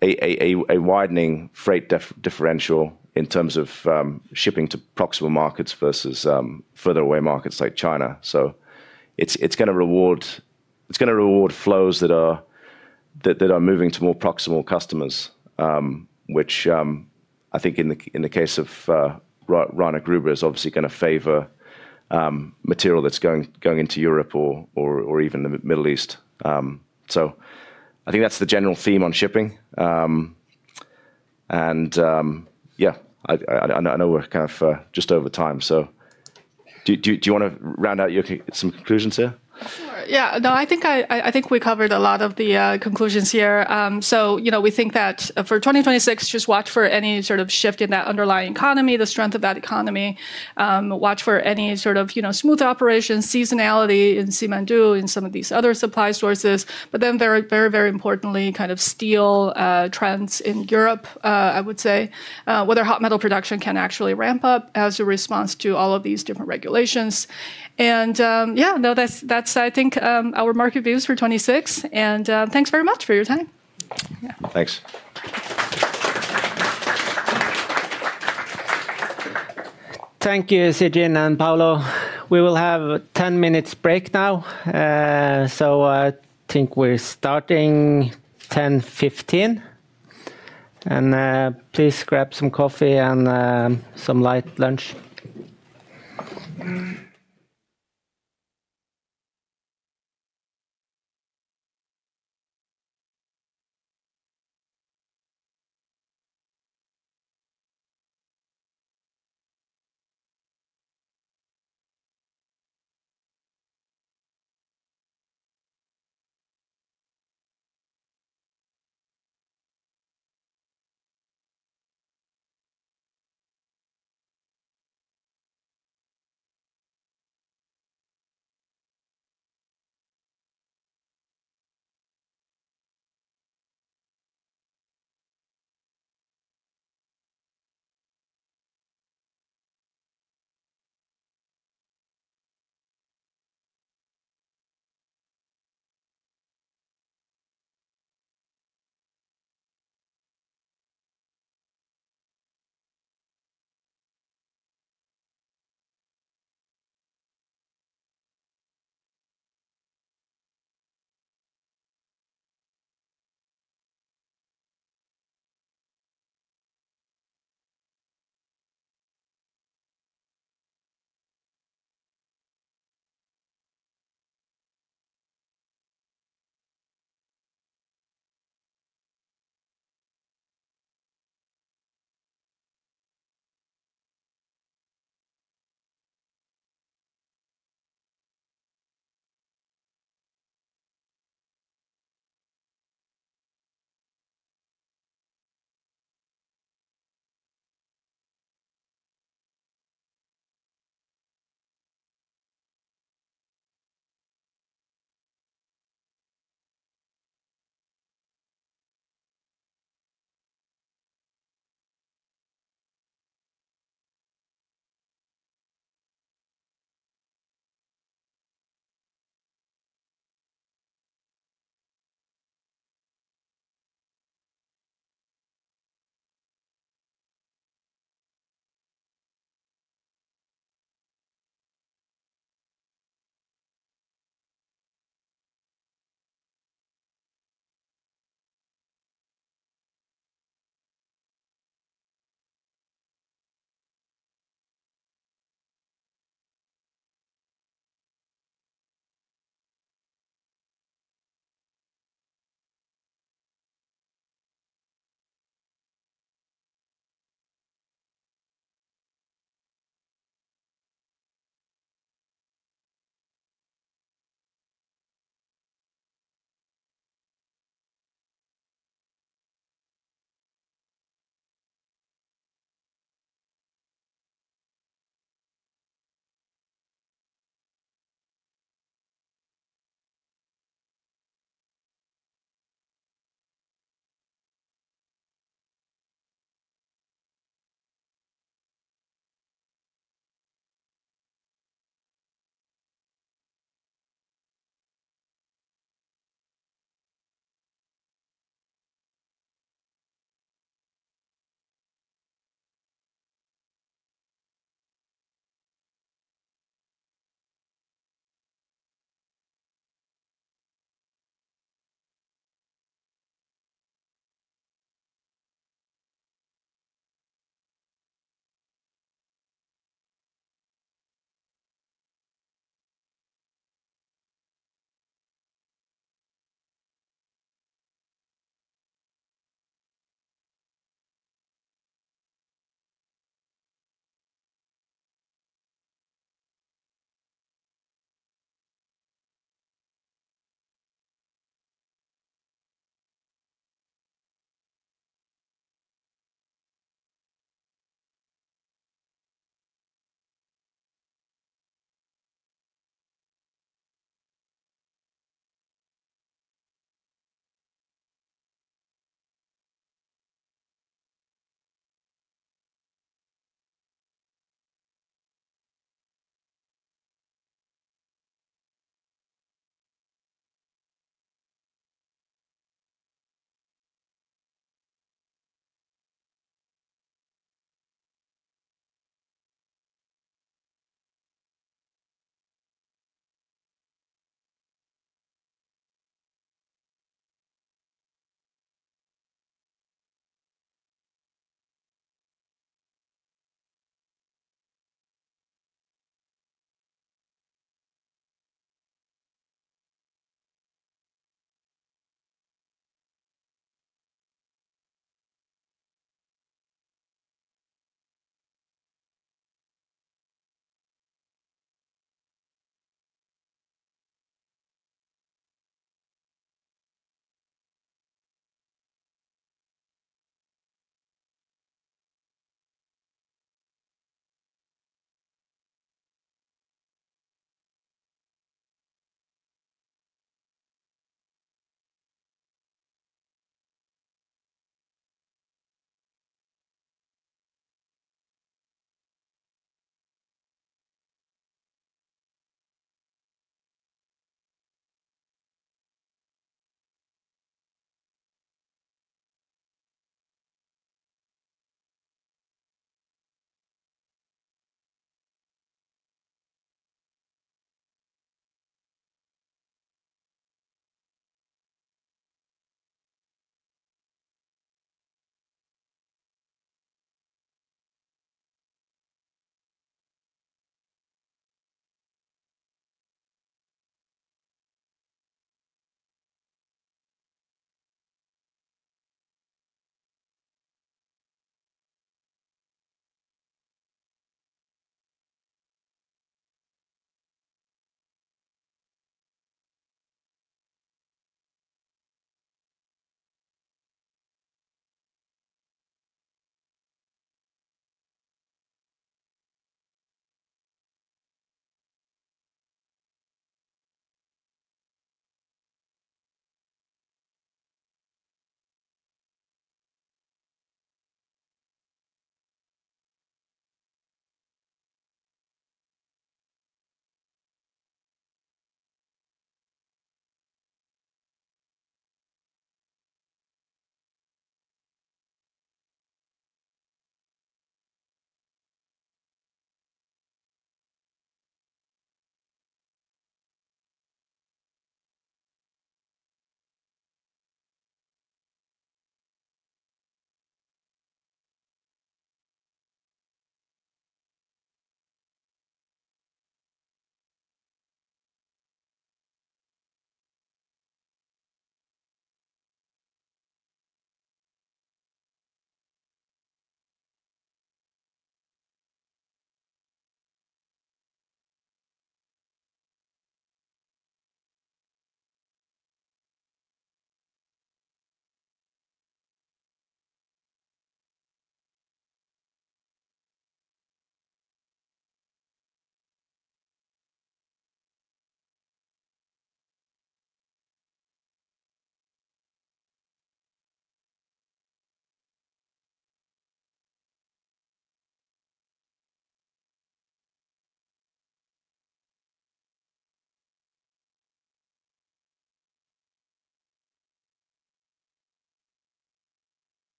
a widening freight differential in terms of shipping to proximal markets versus further away markets like China. It is going to reward flows that are moving to more proximal customers, which I think in the case of Rana Gruber is obviously going to favor material that is going into Europe or even the Middle East. I think that is the general theme on shipping. Yeah, I know we are kind of just over time. Do you want to round out some conclusions here? Yeah. No, I think we covered a lot of the conclusions here. We think that for 2026, just watch for any sort of shift in that underlying economy, the strength of that economy. Watch for any sort of smooth operations, seasonality in Simandou, in some of these other supply sources. Very, very importantly, kind of steel trends in Europe, I would say, where their hot metal production can actually ramp up as a response to all of these different regulations. Yeah, no, that's, I think, our market views for 2026. Thanks very much for your time. Yeah. Thanks. Thank you, Sigrun and Paolo. We will have a 10-minute break now. I think we're starting 10:15 A.M.. Please grab some coffee and some light lunch.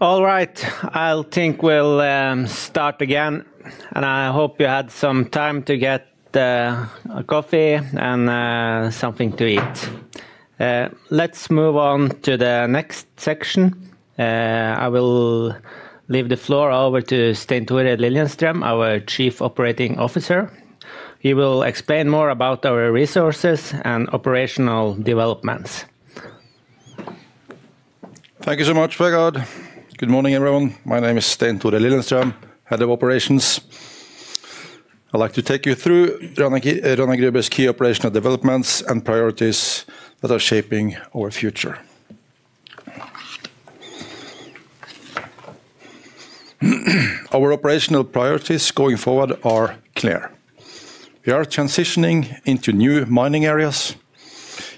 All right. I think we'll start again. I hope you had some time to get a coffee and something to eat. Let's move on to the next section. I will leave the floor over to Stein-Tore Liljeström, our Chief Operating Officer. He will explain more about our resources and operational developments. Thank you so much, Vegard. Good morning, everyone. My name is Stein-Tore Liljeström, Head of Operations. I'd like to take you through Rana Gruber's key operational developments and priorities that are shaping our future. Our operational priorities going forward are clear. We are transitioning into new mining areas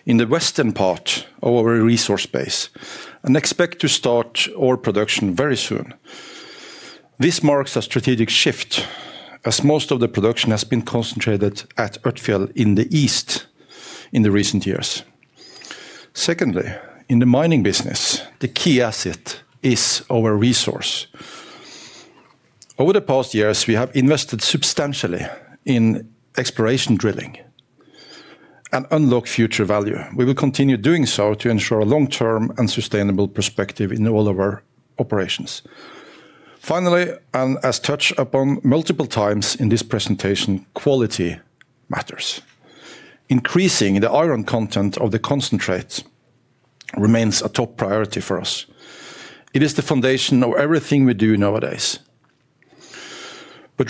in the western part of our resource base and expect to start our production very soon. This marks a strategic shift as most of the production has been concentrated at Ørtfjell in the east in the recent years. Secondly, in the mining business, the key asset is our resource. Over the past years, we have invested substantially in exploration drilling and unlocked future value. We will continue doing so to ensure a long-term and sustainable perspective in all of our operations. Finally, and as touched upon multiple times in this presentation, quality matters. Increasing the iron content of the concentrates remains a top priority for us. It is the foundation of everything we do nowadays.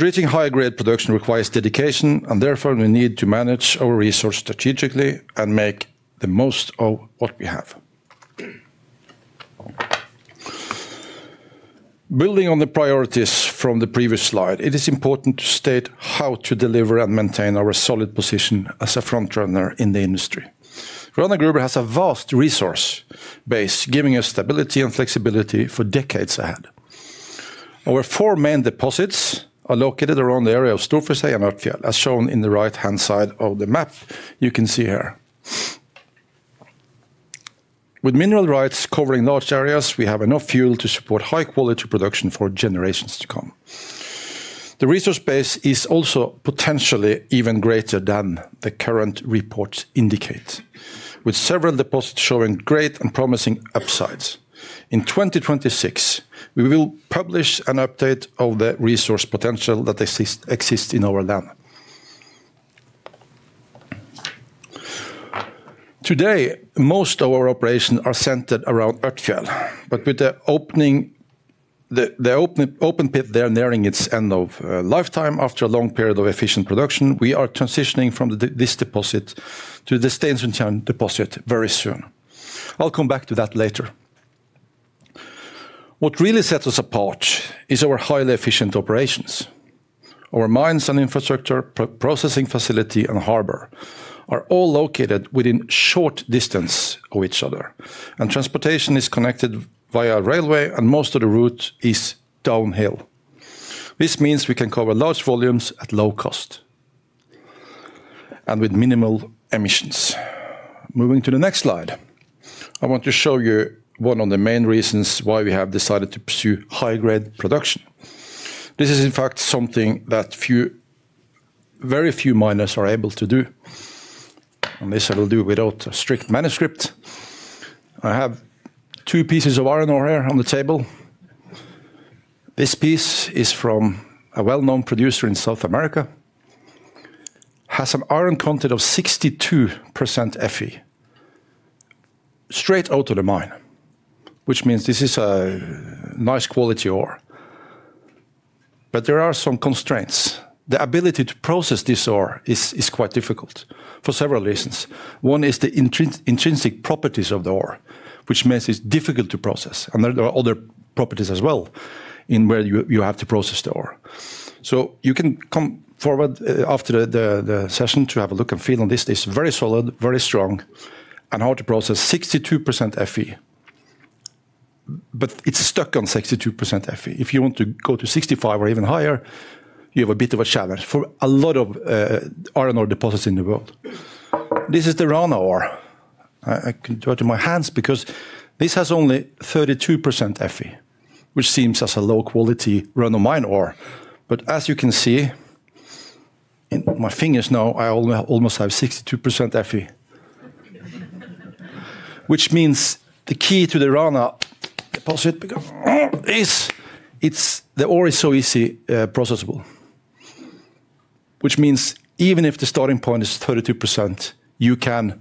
Reaching higher-grade production requires dedication, and therefore we need to manage our resources strategically and make the most of what we have. Building on the priorities from the previous slide, it is important to state how to deliver and maintain our solid position as a front runner in the industry. Rana Gruber has a vast resource base, giving us stability and flexibility for decades ahead. Our four main deposits are located around the area of Storforshei and Ørtfjell, as shown in the right-hand side of the map you can see here. With mineral rights covering large areas, we have enough fuel to support high-quality production for generations to come. The resource base is also potentially even greater than the current reports indicate, with several deposits showing great and promising upsides. In 2026, we will publish an update of the resource potential that exists in our land. Today, most of our operations are centered around Ørtfjell, but with the open pit there nearing its end of lifetime after a long period of efficient production, we are transitioning from this deposit to the Stein-Sundheim deposit very soon. I'll come back to that later. What really sets us apart is our highly efficient operations. Our mines and infrastructure, processing facility, and harbor are all located within short distance of each other, and transportation is connected via railway, and most of the route is downhill. This means we can cover large volumes at low cost and with minimal emissions. Moving to the next slide, I want to show you one of the main reasons why we have decided to pursue high-grade production. This is, in fact, something that very few miners are able to do, and this I will do without a strict manuscript. I have two pieces of iron over here on the table. This piece is from a well-known producer in South America. It has an iron content of 62% Fe straight out of the mine, which means this is a nice quality ore. There are some constraints. The ability to process this ore is quite difficult for several reasons. One is the intrinsic properties of the ore, which means it's difficult to process, and there are other properties as well in where you have to process the ore. You can come forward after the session to have a look and feel on this. It's very solid, very strong, and hard to process, 62% Fe. It's stuck on 62% Fe. If you want to go to 65 or even higher, you have a bit of a challenge for a lot of iron ore deposits in the world. This is the Rana ore. I can touch my hands because this has only 32% Fe, which seems as a low-quality Rana Gruber ore. As you can see in my fingers now, I almost have 62% Fe, which means the key to the Rana deposit is the ore is so easily processable, which means even if the starting point is 32%, you can,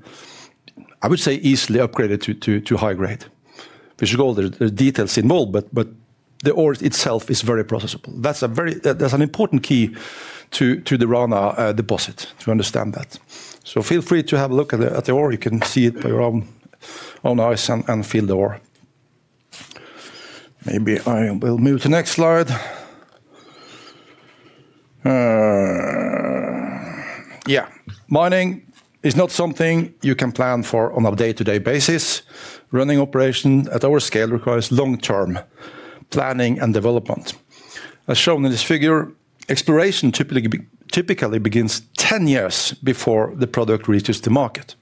I would say, easily upgrade it to high grade, which is all the details involved, but the ore itself is very processable. That is an important key to the Rana deposit to understand that. Feel free to have a look at the ore. You can see it by your own eyes and feel the ore. Maybe I will move to the next slide. Yeah, mining is not something you can plan for on a day-to-day basis. Running operation at our scale requires long-term planning and development. As shown in this figure, exploration typically begins 10 years before the product reaches the market.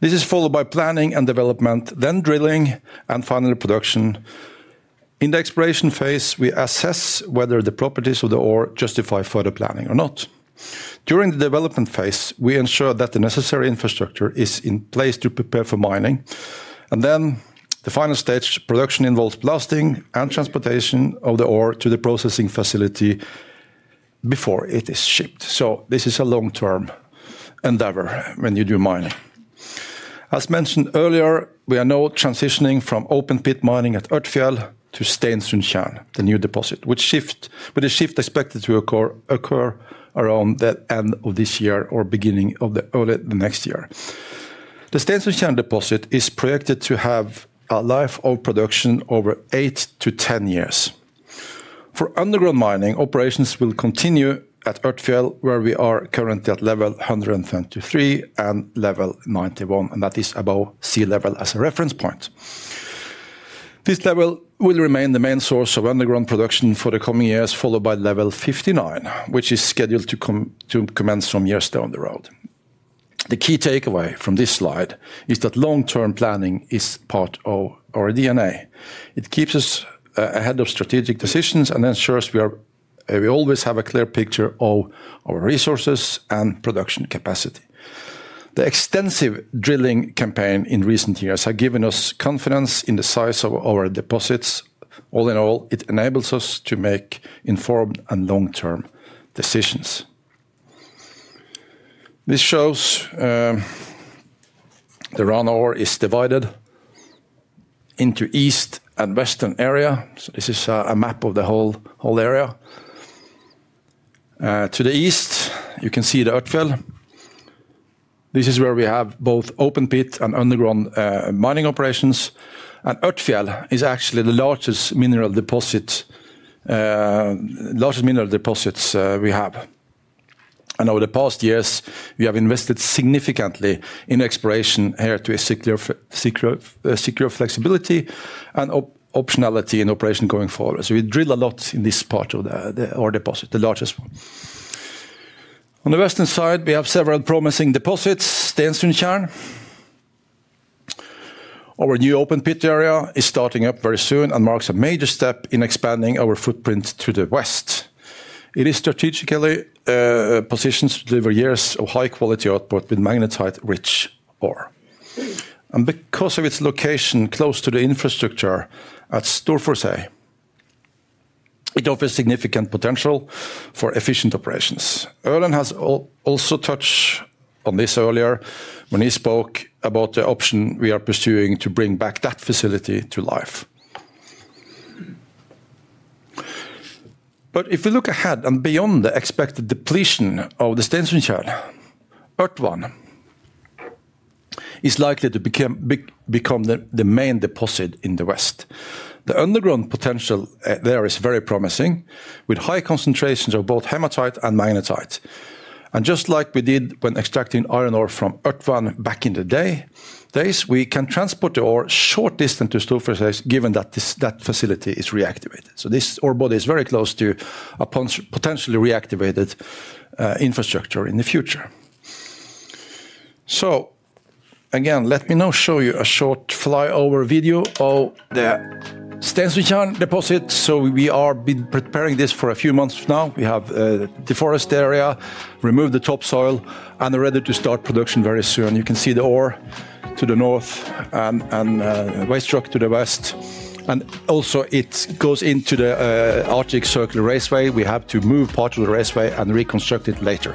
This is followed by planning and development, then drilling and final production. In the exploration phase, we assess whether the properties of the ore justify further planning or not. During the development phase, we ensure that the necessary infrastructure is in place to prepare for mining, and then the final stage production involves blasting and transportation of the ore to the processing facility before it is shipped. This is a long-term endeavor when you do mining. As mentioned earlier, we are now transitioning from open pit mining at Ørtfjell to Stensundtjern, the new deposit, with a shift expected to occur around the end of this year or beginning of the next year. The Stensundtjern deposit is projected to have a life of production over eight to 10 years. For underground mining, operations will continue at Ørtfjell, where we are currently at level 123 and level 91, and that is above sea level as a reference point. This level will remain the main source of underground production for the coming years, followed by level 59, which is scheduled to commence some years down the road. The key takeaway from this slide is that long-term planning is part of our DNA. It keeps us ahead of strategic decisions and ensures we always have a clear picture of our resources and production capacity. The extensive drilling campaign in recent years has given us confidence in the size of our deposits. All in all, it enables us to make informed and long-term decisions. This shows the Rana ore is divided into east and western area. This is a map of the whole area. To the east, you can see the Ørtfjell. This is where we have both open pit and underground mining operations, and Ørtfjell is actually the largest mineral deposit we have. Over the past years, we have invested significantly in exploration here to secure flexibility and optionality in operation going forward. We drill a lot in this part of the ore deposit, the largest one. On the western side, we have several promising deposits, Stensundtjern. Our new open pit area is starting up very soon and marks a major step in expanding our footprint to the west. It is strategically positioned to deliver years of high-quality output with magnetite-rich ore. Because of its location close to the infrastructure at Storforshei, it offers significant potential for efficient operations. Erlend has also touched on this earlier when he spoke about the option we are pursuing to bring back that facility to life. If we look ahead and beyond the expected depletion of the Stensundtjern, Ørtvann is likely to become the main deposit in the west. The underground potential there is very promising, with high concentrations of both hematite and magnetite. Just like we did when extracting iron ore from Ørtvann back in the days, we can transport the ore a short distance to Storforshei given that that facility is reactivated. This ore body is very close to a potentially reactivated infrastructure in the future. Let me now show you a short flyover video of the Stensundtjern deposit. We have been preparing this for a few months now. We have deforested the area, removed the topsoil, and are ready to start production very soon. You can see the ore to the north and Weiströk to the west. It also goes into the Arctic Circle Raceway. We have to move part of the raceway and reconstruct it later.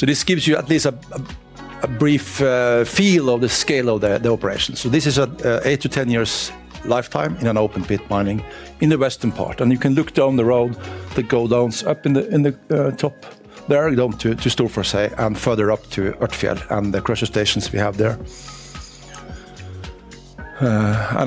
This gives you at least a brief feel of the scale of the operation. This is an eight to 10 years lifetime in open pit mining in the western part. You can look down the road that goes up in the top there, down to Storforshei and further up to Ørtfjell and the crusher stations we have there.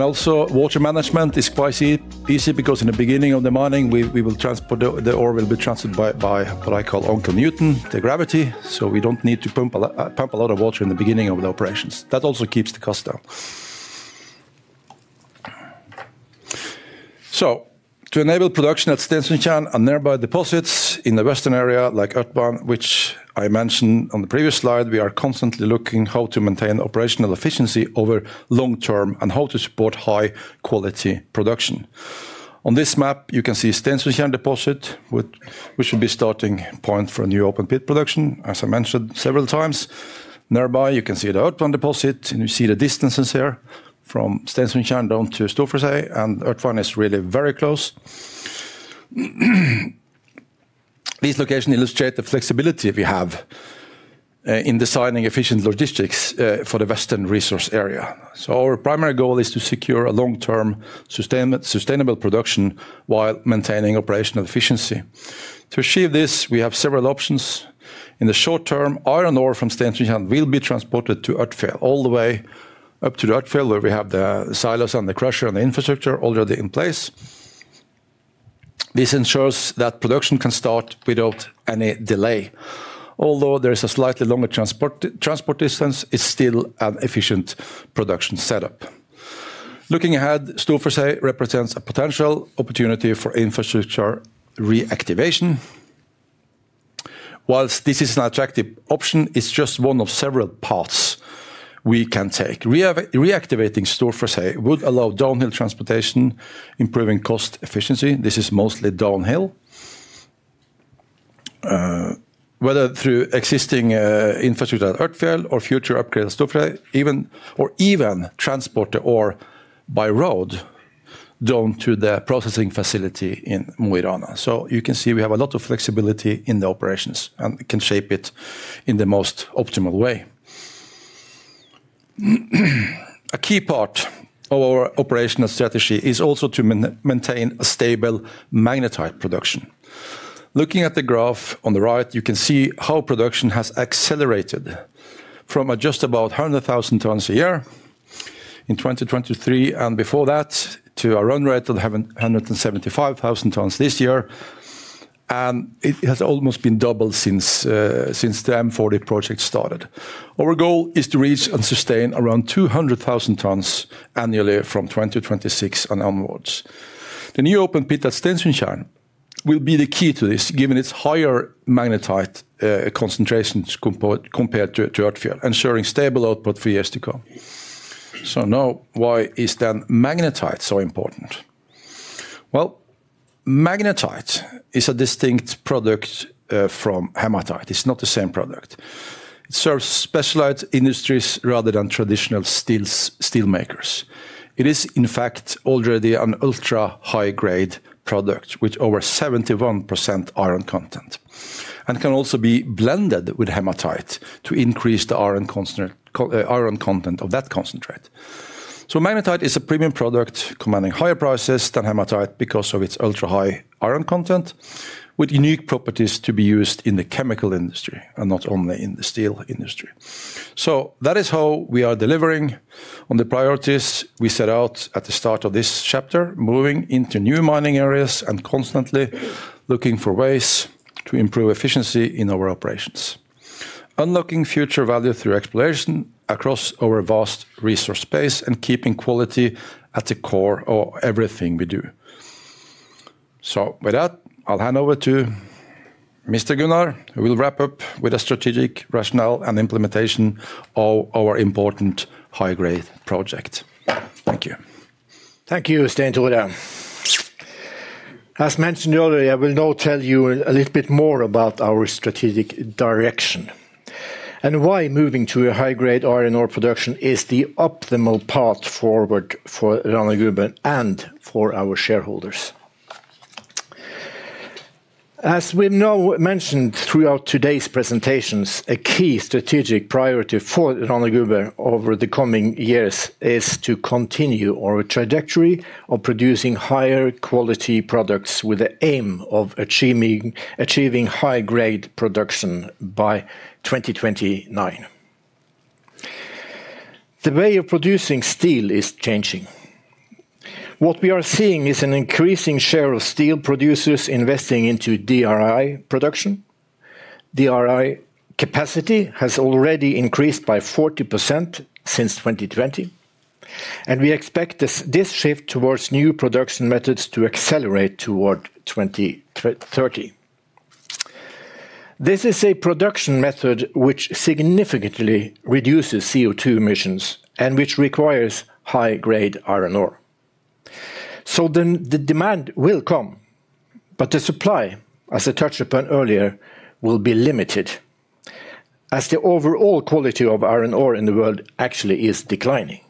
Also, water management is quite easy because in the beginning of the mining, the ore will be transported by what I call Uncle Newton, the gravity. We do not need to pump a lot of water in the beginning of the operations. That also keeps the cost down. To enable production at Stensundtjern and nearby deposits in the western area like Ørtvann, which I mentioned on the previous slide, we are constantly looking at how to maintain operational efficiency over the long term and how to support high-quality production. On this map, you can see the Stensundtjern deposit, which will be a starting point for a new open pit production, as I mentioned several times. Nearby, you can see the Ørtvann deposit, and you see the distances here from Stensundtjern down to Storforshei, and Ørtvann is really very close. These locations illustrate the flexibility we have in designing efficient logistics for the western resource area. Our primary goal is to secure a long-term sustainable production while maintaining operational efficiency. To achieve this, we have several options. In the short term, iron ore from Stensundtjern will be transported to Ørtfjell all the way up to Ørtfjell, where we have the silos and the crusher and the infrastructure already in place. This ensures that production can start without any delay. Although there is a slightly longer transport distance, it's still an efficient production setup. Looking ahead, Storforshei represents a potential opportunity for infrastructure reactivation. Whilst this is an attractive option, it's just one of several paths we can take. Reactivating Storforshei would allow downhill transportation, improving cost efficiency. This is mostly downhill, whether through existing infrastructure at Ørtfjell or future upgrade at Storforshei, or even transport the ore by road down to the processing facility in Mo i Rana. You can see we have a lot of flexibility in the operations and can shape it in the most optimal way. A key part of our operational strategy is also to maintain a stable magnetite production. Looking at the graph on the right, you can see how production has accelerated from just about 100,000 tons a year in 2023 and before that to a run rate of 175,000 tons this year, and it has almost been doubled since the M40 project started. Our goal is to reach and sustain around 200,000 tons annually from 2026 and onwards. The new open pit at Stensundtjern will be the key to this, given its higher magnetite concentrations compared to Ørtfjell, ensuring stable output for years to come. Now, why is then magnetite so important? Magnetite is a distinct product from hematite. It is not the same product. It serves specialized industries rather than traditional steelmakers. It is, in fact, already an ultra high-grade product with over 71% iron content and can also be blended with hematite to increase the iron content of that concentrate. Magnetite is a premium product commanding higher prices than hematite because of its ultra high iron content, with unique properties to be used in the chemical industry and not only in the steel industry. That is how we are delivering on the priorities we set out at the start of this chapter, moving into new mining areas and constantly looking for ways to improve efficiency in our operations, unlocking future value through exploration across our vast resource base and keeping quality at the core of everything we do. With that, I'll hand over to Mr. Gunnar, who will wrap up with a strategic rationale and implementation of our important high-grade project. Thank you. Thank you, Stein-Tore. As mentioned earlier, I will now tell you a little bit more about our strategic direction and why moving to a high-grade iron ore production is the optimal path forward for Rana Gruber and for our shareholders. As we've now mentioned throughout today's presentations, a key strategic priority for Rana Gruber over the coming years is to continue our trajectory of producing higher quality products with the aim of achieving high-grade production by 2029. The way of producing steel is changing. What we are seeing is an increasing share of steel producers investing into DRI production. DRI capacity has already increased by 40% since 2020, and we expect this shift towards new production methods to accelerate toward 2030. This is a production method which significantly reduces CO2 emissions and which requires high-grade iron ore. The demand will come, but the supply, as I touched upon earlier, will be limited as the overall quality of iron ore in the world actually is declining.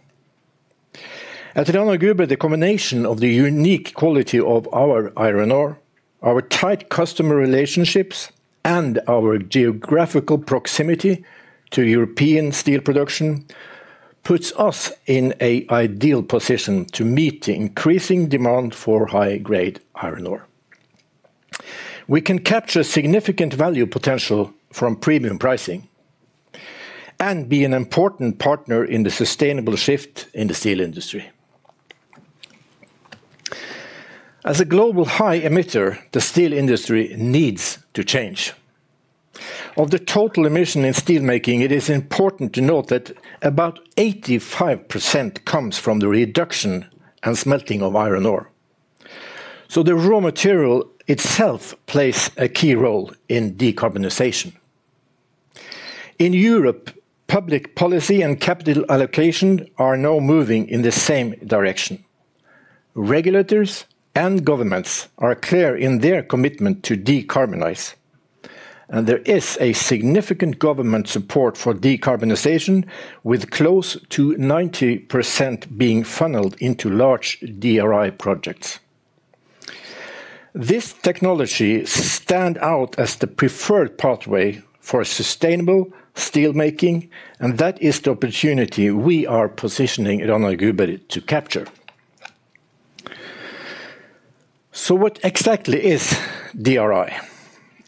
At Rana Gruber, the combination of the unique quality of our iron ore, our tight customer relationships, and our geographical proximity to European steel production puts us in an ideal position to meet the increasing demand for high-grade iron ore. We can capture significant value potential from premium pricing and be an important partner in the sustainable shift in the steel industry. As a global high emitter, the steel industry needs to change. Of the total emission in steelmaking, it is important to note that about 85% comes from the reduction and smelting of iron ore. The raw material itself plays a key role in decarbonization. In Europe, public policy and capital allocation are now moving in the same direction. Regulators and governments are clear in their commitment to decarbonize, and there is significant government support for decarbonization, with close to 90% being funneled into large DRI projects. This technology stands out as the preferred pathway for sustainable steelmaking, and that is the opportunity we are positioning Rana Gruber to capture. What exactly is DRI?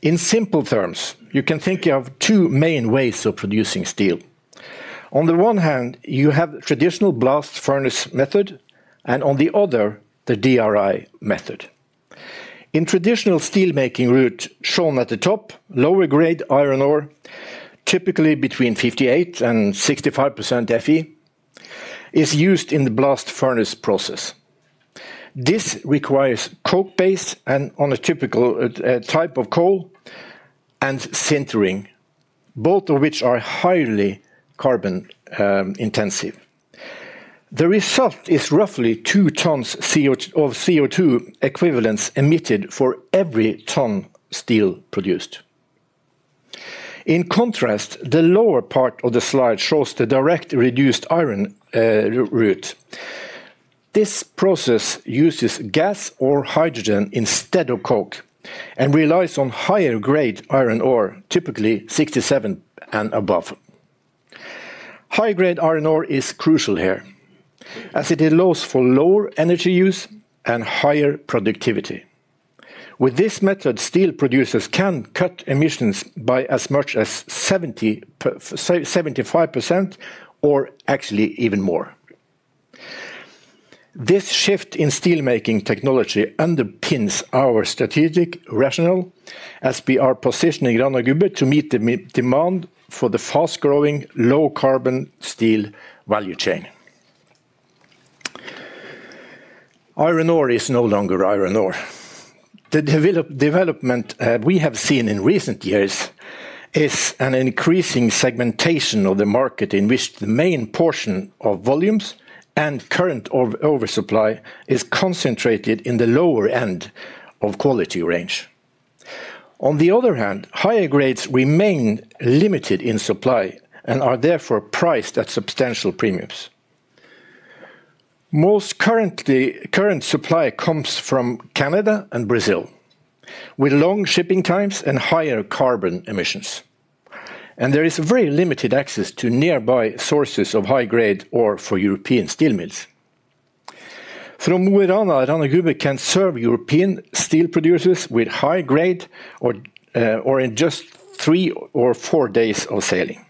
In simple terms, you can think of two main ways of producing steel. On the one hand, you have the traditional blast furnace method, and on the other, the DRI method. In the traditional steelmaking route shown at the top, lower grade iron ore, typically between 58% and 65% Fe is used in the blast furnace process. This requires coke base and a typical type of coal and sintering, both of which are highly carbon intensive. The result is roughly two tons of CO2 equivalents emitted for every ton steel produced. In contrast, the lower part of the slide shows the direct reduced iron route. This process uses gas or hydrogen instead of coke and relies on higher grade iron ore, typically 67% and above. High grade iron ore is crucial here as it allows for lower energy use and higher productivity. With this method, steel producers can cut emissions by as much as 75% or actually even more. This shift in steelmaking technology underpins our strategic rationale as we are positioning Rana Gruber to meet the demand for the fast-growing low-carbon steel value chain. Iron ore is no longer iron ore. The development we have seen in recent years is an increasing segmentation of the market in which the main portion of volumes and current oversupply is concentrated in the lower end of quality range. On the other hand, higher grades remain limited in supply and are therefore priced at substantial premiums. Most current supply comes from Canada and Brazil, with long shipping times and higher carbon emissions, and there is very limited access to nearby sources of high grade ore for European steel mills. From Mo i Rana, Rana Gruber can serve European steel producers with high grade ore in just three or four days of sailing.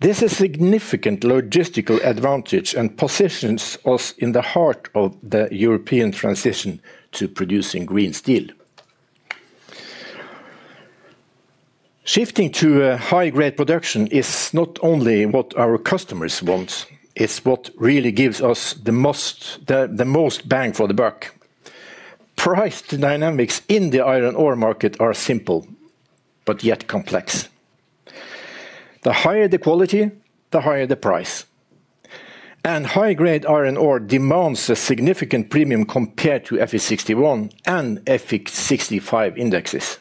This is a significant logistical advantage and positions us in the heart of the European transition to producing green steel. Shifting to high grade production is not only what our customers want; it's what really gives us the most bang for the buck. Price dynamics in the iron ore market are simple but yet complex. The higher the quality, the higher the price. High grade iron ore demands a significant premium compared to FE61 and FE65 indexes.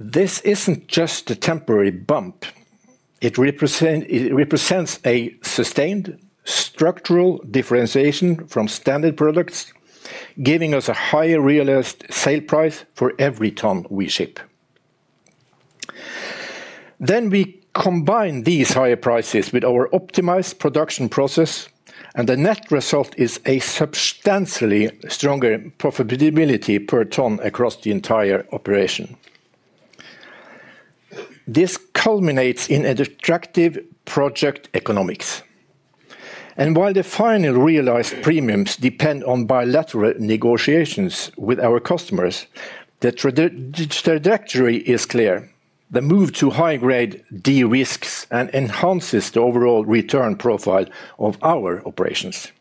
This is not just a temporary bump; it represents a sustained structural differentiation from standard products, giving us a higher realized sale price for every ton we ship. We combine these higher prices with our optimized production process, and the net result is a substantially stronger profitability per ton across the entire operation. This culminates in attractive project economics. While the final realized premiums depend on bilateral negotiations with our customers, the trajectory is clear. The move to high grade de-risks and enhances the overall return profile of our operations.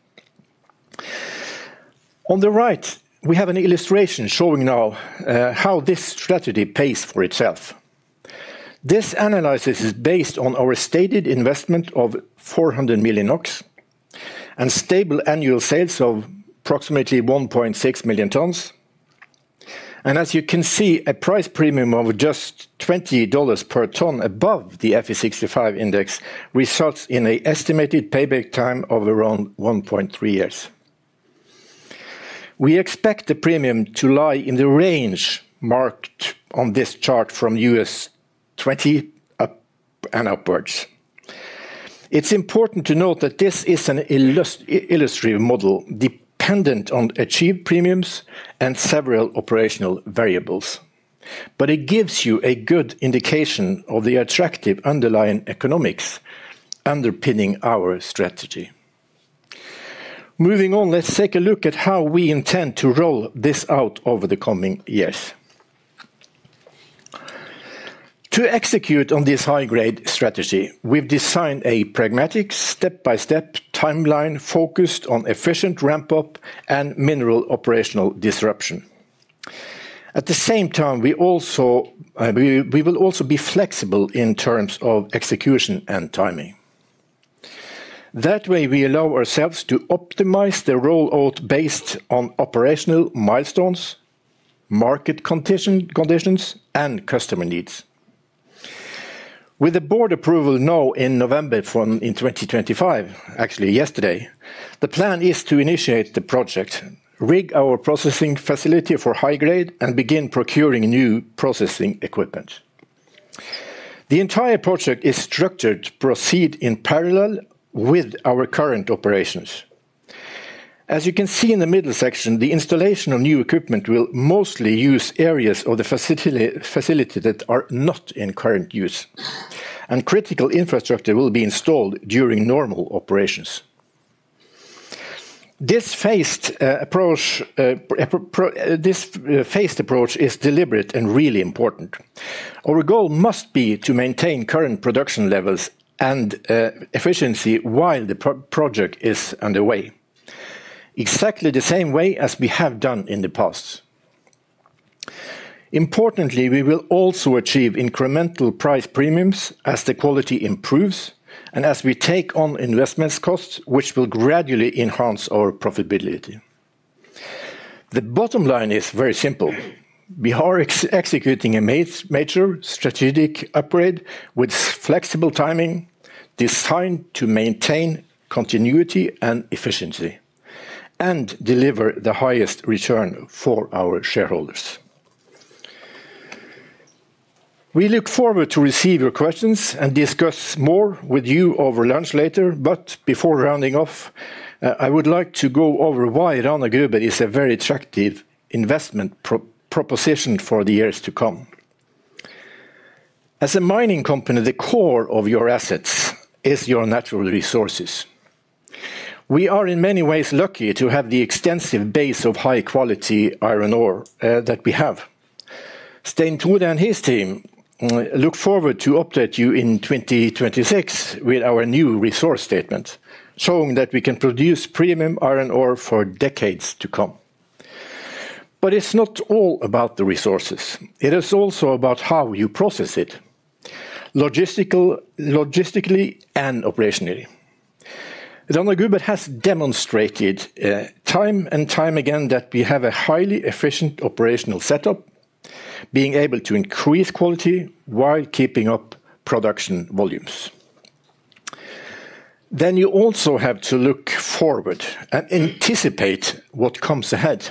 On the right, we have an illustration showing how this strategy pays for itself. This analysis is based on our stated investment of 400 million NOK and stable annual sales of approximately 1.6 million tons. As you can see, a price premium of just $20 per ton above the FE65 index results in an estimated payback time of around 1.3 years. We expect the premium to lie in the range marked on this chart from $20 and upwards. It is important to note that this is an illustrative model dependent on achieved premiums and several operational variables, but it gives you a good indication of the attractive underlying economics underpinning our strategy. Moving on, let's take a look at how we intend to roll this out over the coming years. To execute on this high grade strategy, we have designed a pragmatic step-by-step timeline focused on efficient ramp-up and minimal operational disruption. At the same time, we will also be flexible in terms of execution and timing. That way, we allow ourselves to optimize the rollout based on operational milestones, market conditions, and customer needs. With the board approval now in November in 2025, actually yesterday, the plan is to initiate the project, rig our processing facility for high grade, and begin procuring new processing equipment. The entire project is structured to proceed in parallel with our current operations. As you can see in the middle section, the installation of new equipment will mostly use areas of the facility that are not in current use, and critical infrastructure will be installed during normal operations. This phased approach is deliberate and really important. Our goal must be to maintain current production levels and efficiency while the project is underway, exactly the same way as we have done in the past. Importantly, we will also achieve incremental price premiums as the quality improves and as we take on investment costs, which will gradually enhance our profitability. The bottom line is very simple. We are executing a major strategic upgrade with flexible timing designed to maintain continuity and efficiency and deliver the highest return for our shareholders. We look forward to receiving your questions and discussing more with you over lunch later. Before rounding off, I would like to go over why Rana Gruber is a very attractive investment proposition for the years to come. As a mining company, the core of your assets is your natural resources. We are in many ways lucky to have the extensive base of high quality iron ore that we have. Stein-Tore and his team look forward to updating you in 2026 with our new resource statement, showing that we can produce premium iron ore for decades to come. It is not all about the resources. It is also about how you process it, logistically and operationally. Rana Gruber has demonstrated time and time again that we have a highly efficient operational setup, being able to increase quality while keeping up production volumes. You also have to look forward and anticipate what comes ahead.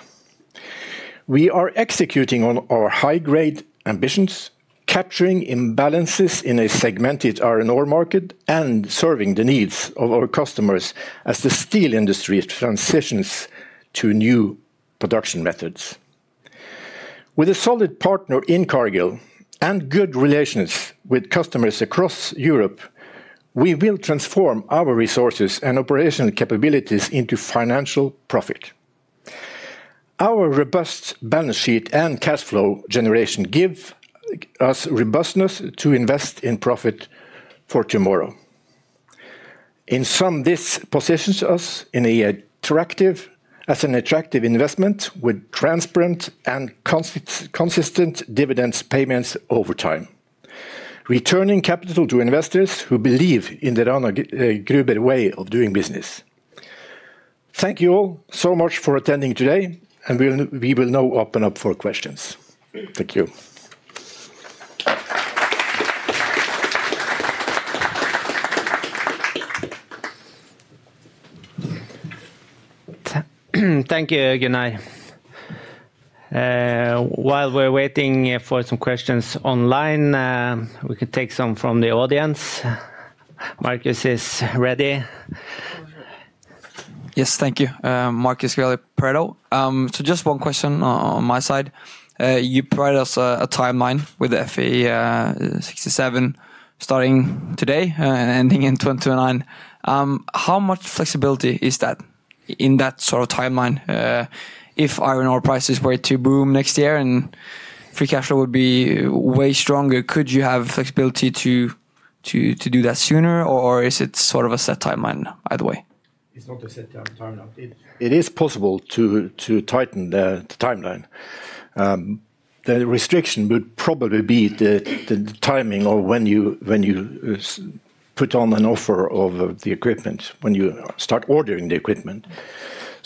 We are executing on our high grade ambitions, capturing imbalances in a segmented iron ore market and serving the needs of our customers as the steel industry transitions to new production methods. With a solid partner in Cargill and good relations with customers across Europe, we will transform our resources and operational capabilities into financial profit. Our robust balance sheet and cash flow generation give us robustness to invest in profit for tomorrow. In sum, this positions us as an attractive investment with transparent and consistent dividend payments over time, returning capital to investors who believe in the Rana Gruber way of doing business. Thank you all so much for attending today, and we will now open up for questions. Thank you. Thank you, Gunnar. While we're waiting for some questions online, we can take some from the audience. Markus is ready. Yes, thank you. Markus [Reale-Perto]. So just one question on my side. You provided us a timeline with FE67 starting today and ending in 2029. How much flexibility is that in that sort of timeline? If iron ore prices were to boom next year and free cash flow would be way stronger, could you have flexibility to do that sooner, or is it sort of a set timeline either way? It's not a set timeline. It is possible to tighten the timeline. The restriction would probably be the timing of when you put on an offer of the equipment, when you start ordering the equipment.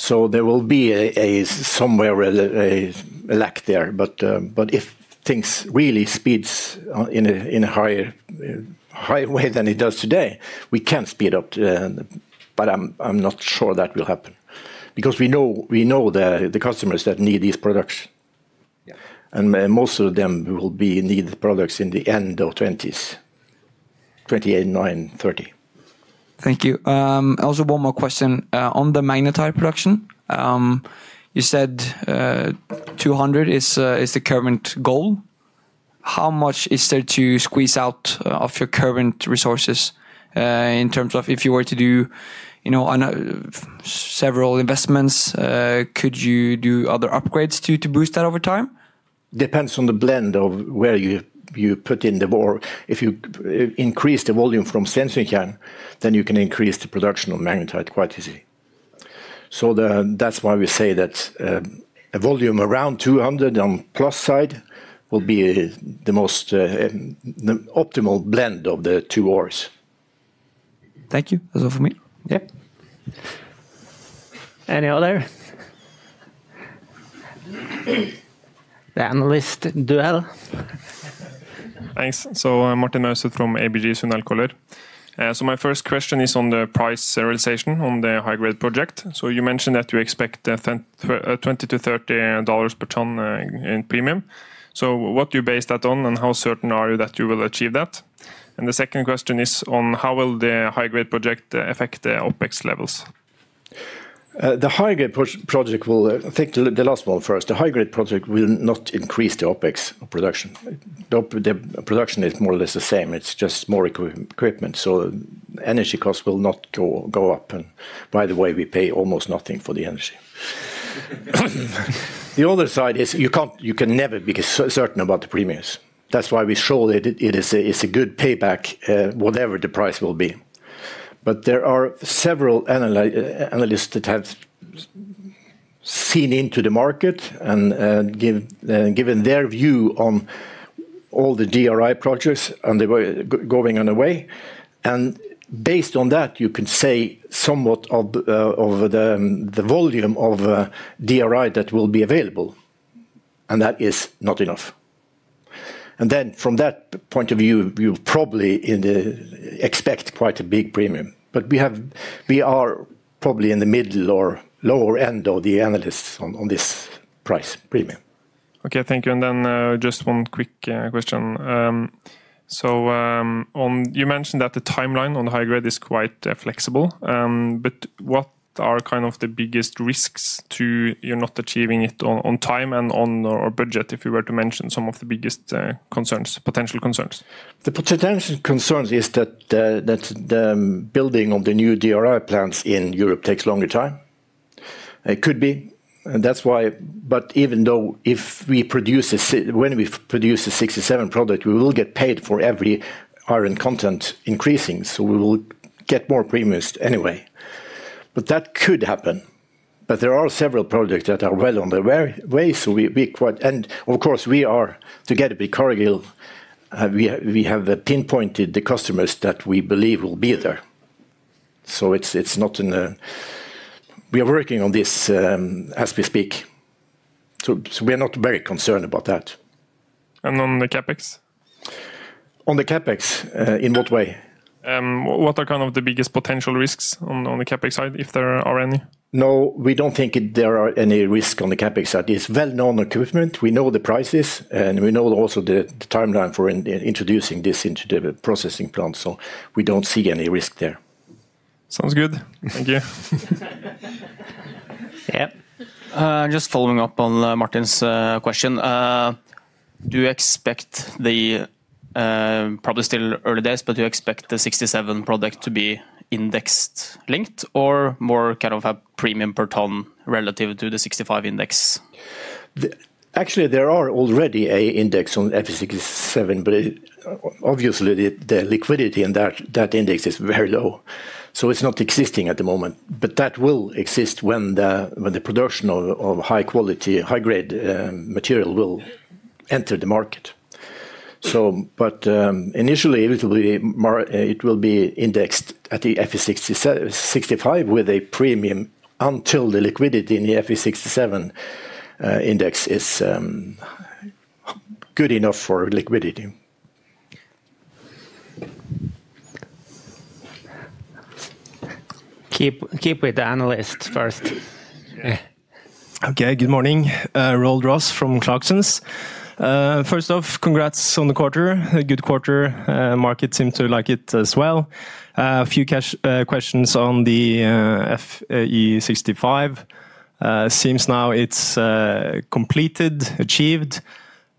There will be somewhere a lack there. If things really speed in a higher way than it does today, we can speed up. I'm not sure that will happen because we know the customers that need these products, and most of them will need the products in the end of 2020's, 2028, 2029, 2030. Thank you. Also, one more question on the magnetite production. You said 200 is the current goal. How much is there to squeeze out of your current resources in terms of if you were to do several investments, could you do other upgrades to boost that over time? Depends on the blend of where you put in the bore. If you increase the volume from Sensingen, then you can increase the production of magnetite quite easily. That's why we say that a volume around 200 on the plus side will be the most optimal blend of the two bores. Thank you. That's all from me. Yeah. Any other? The analyst duel. Thanks. Martin Nørset from ABG Sundal Collier. My first question is on the price realization on the high grade project. You mentioned that you expect $20-$30 per ton in premium. What do you base that on and how certain are you that you will achieve that? The second question is on how the high grade project will affect the OpEx levels. The high grade project will, I think the last one first, the high grade project will not increase the OpEx production. The production is more or less the same. It's just more equipment. Energy costs will not go up. By the way, we pay almost nothing for the energy. The other side is you can never be certain about the premiums. That is why we show that it is a good payback, whatever the price will be. There are several analysts that have seen into the market and given their view on all the DRI projects and the way going on the way. Based on that, you can say somewhat of the volume of DRI that will be available. That is not enough. From that point of view, you probably expect quite a big premium. We are probably in the middle or lower end of the analysts on this price premium. Okay, thank you. Just one quick question. You mentioned that the timeline on the high grade is quite flexible. What are kind of the biggest risks to you not achieving it on time and on our budget if you were to mention some of the biggest concerns, potential concerns? The potential concern is that the building of the new DRI plants in Europe takes longer time. It could be. Even though if we produce a, when we produce a 67 product, we will get paid for every iron content increasing. We will get more premiums anyway. That could happen. There are several projects that are well on the way. We quite, and of course, we are together with Cargill. We have pinpointed the customers that we believe will be there. It is not in the, we are working on this as we speak. We are not very concerned about that. On the CapEx? On the CapEx, in what way? What are kind of the biggest potential risks on the CapEx side, if there are any? No, we do not think there are any risks on the CapEx side. It is well-known equipment. We know the prices and we know also the timeline for introducing this into the processing plant. We do not see any risk there. Sounds good. Thank you. Yeah. Just following up on Martin's question. Do you expect the, probably still early days, but do you expect the 67 product to be index linked or more kind of a premium per ton relative to the 65 index? Actually, there is already an index on FE67, but obviously the liquidity in that index is very low. It is not existing at the moment. That will exist when the production of high quality, high grade material will enter the market. Initially, it will be indexed at the FE65 with a premium until the liquidity in the FE67 index is good enough for liquidity. Keep with the analyst first. Okay, good morning. Roald Ross from Clarksons. First off, congrats on the quarter. Good quarter. Market seemed to like it as well. A few questions on the FE65. Seems now it's completed, achieved.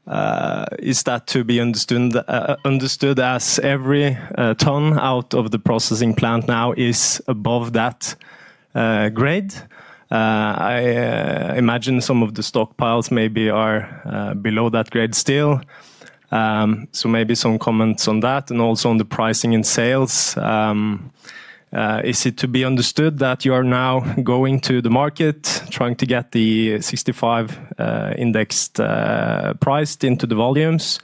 Is that to be understood as every ton out of the processing plant now is above that grade? I imagine some of the stockpiles maybe are below that grade still. Maybe some comments on that and also on the pricing and sales. Is it to be understood that you are now going to the market trying to get the 65 indexed priced into the volumes?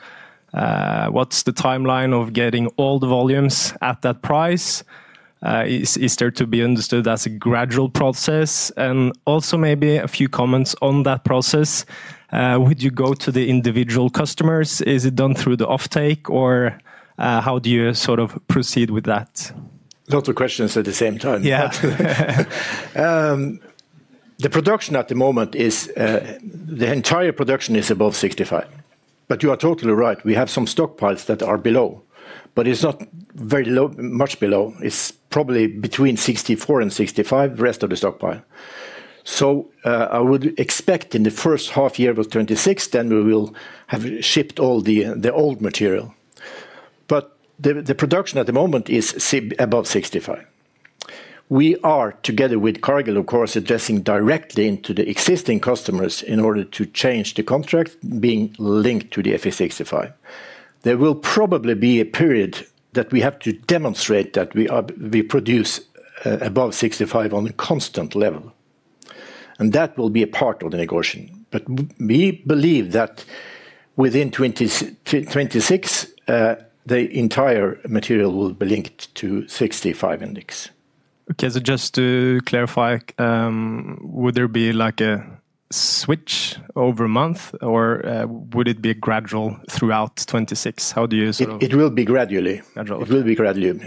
What's the timeline of getting all the volumes at that price? Is there to be understood as a gradual process? Also maybe a few comments on that process. Would you go to the individual customers? Is it done through the offtake or how do you sort of proceed with that? Lots of questions at the same time. Yeah. The production at the moment is, the entire production is above 65. You are totally right. We have some stockpiles that are below, but it is not very much below. It is probably between 64 and 65, the rest of the stockpile. I would expect in the first half year of 2026, we will have shipped all the old material. The production at the moment is above 65. We are together with Cargill, of course, addressing directly into the existing customers in order to change the contract being linked to the FE65. There will probably be a period that we have to demonstrate that we produce above 65 on a constant level. That will be a part of the negotiation. We believe that within 2026, the entire material will be linked to 65 index. Okay, just to clarify, would there be a switch over a month or would it be gradual throughout 2026? How do you sort of... It will be gradually. It will be gradually.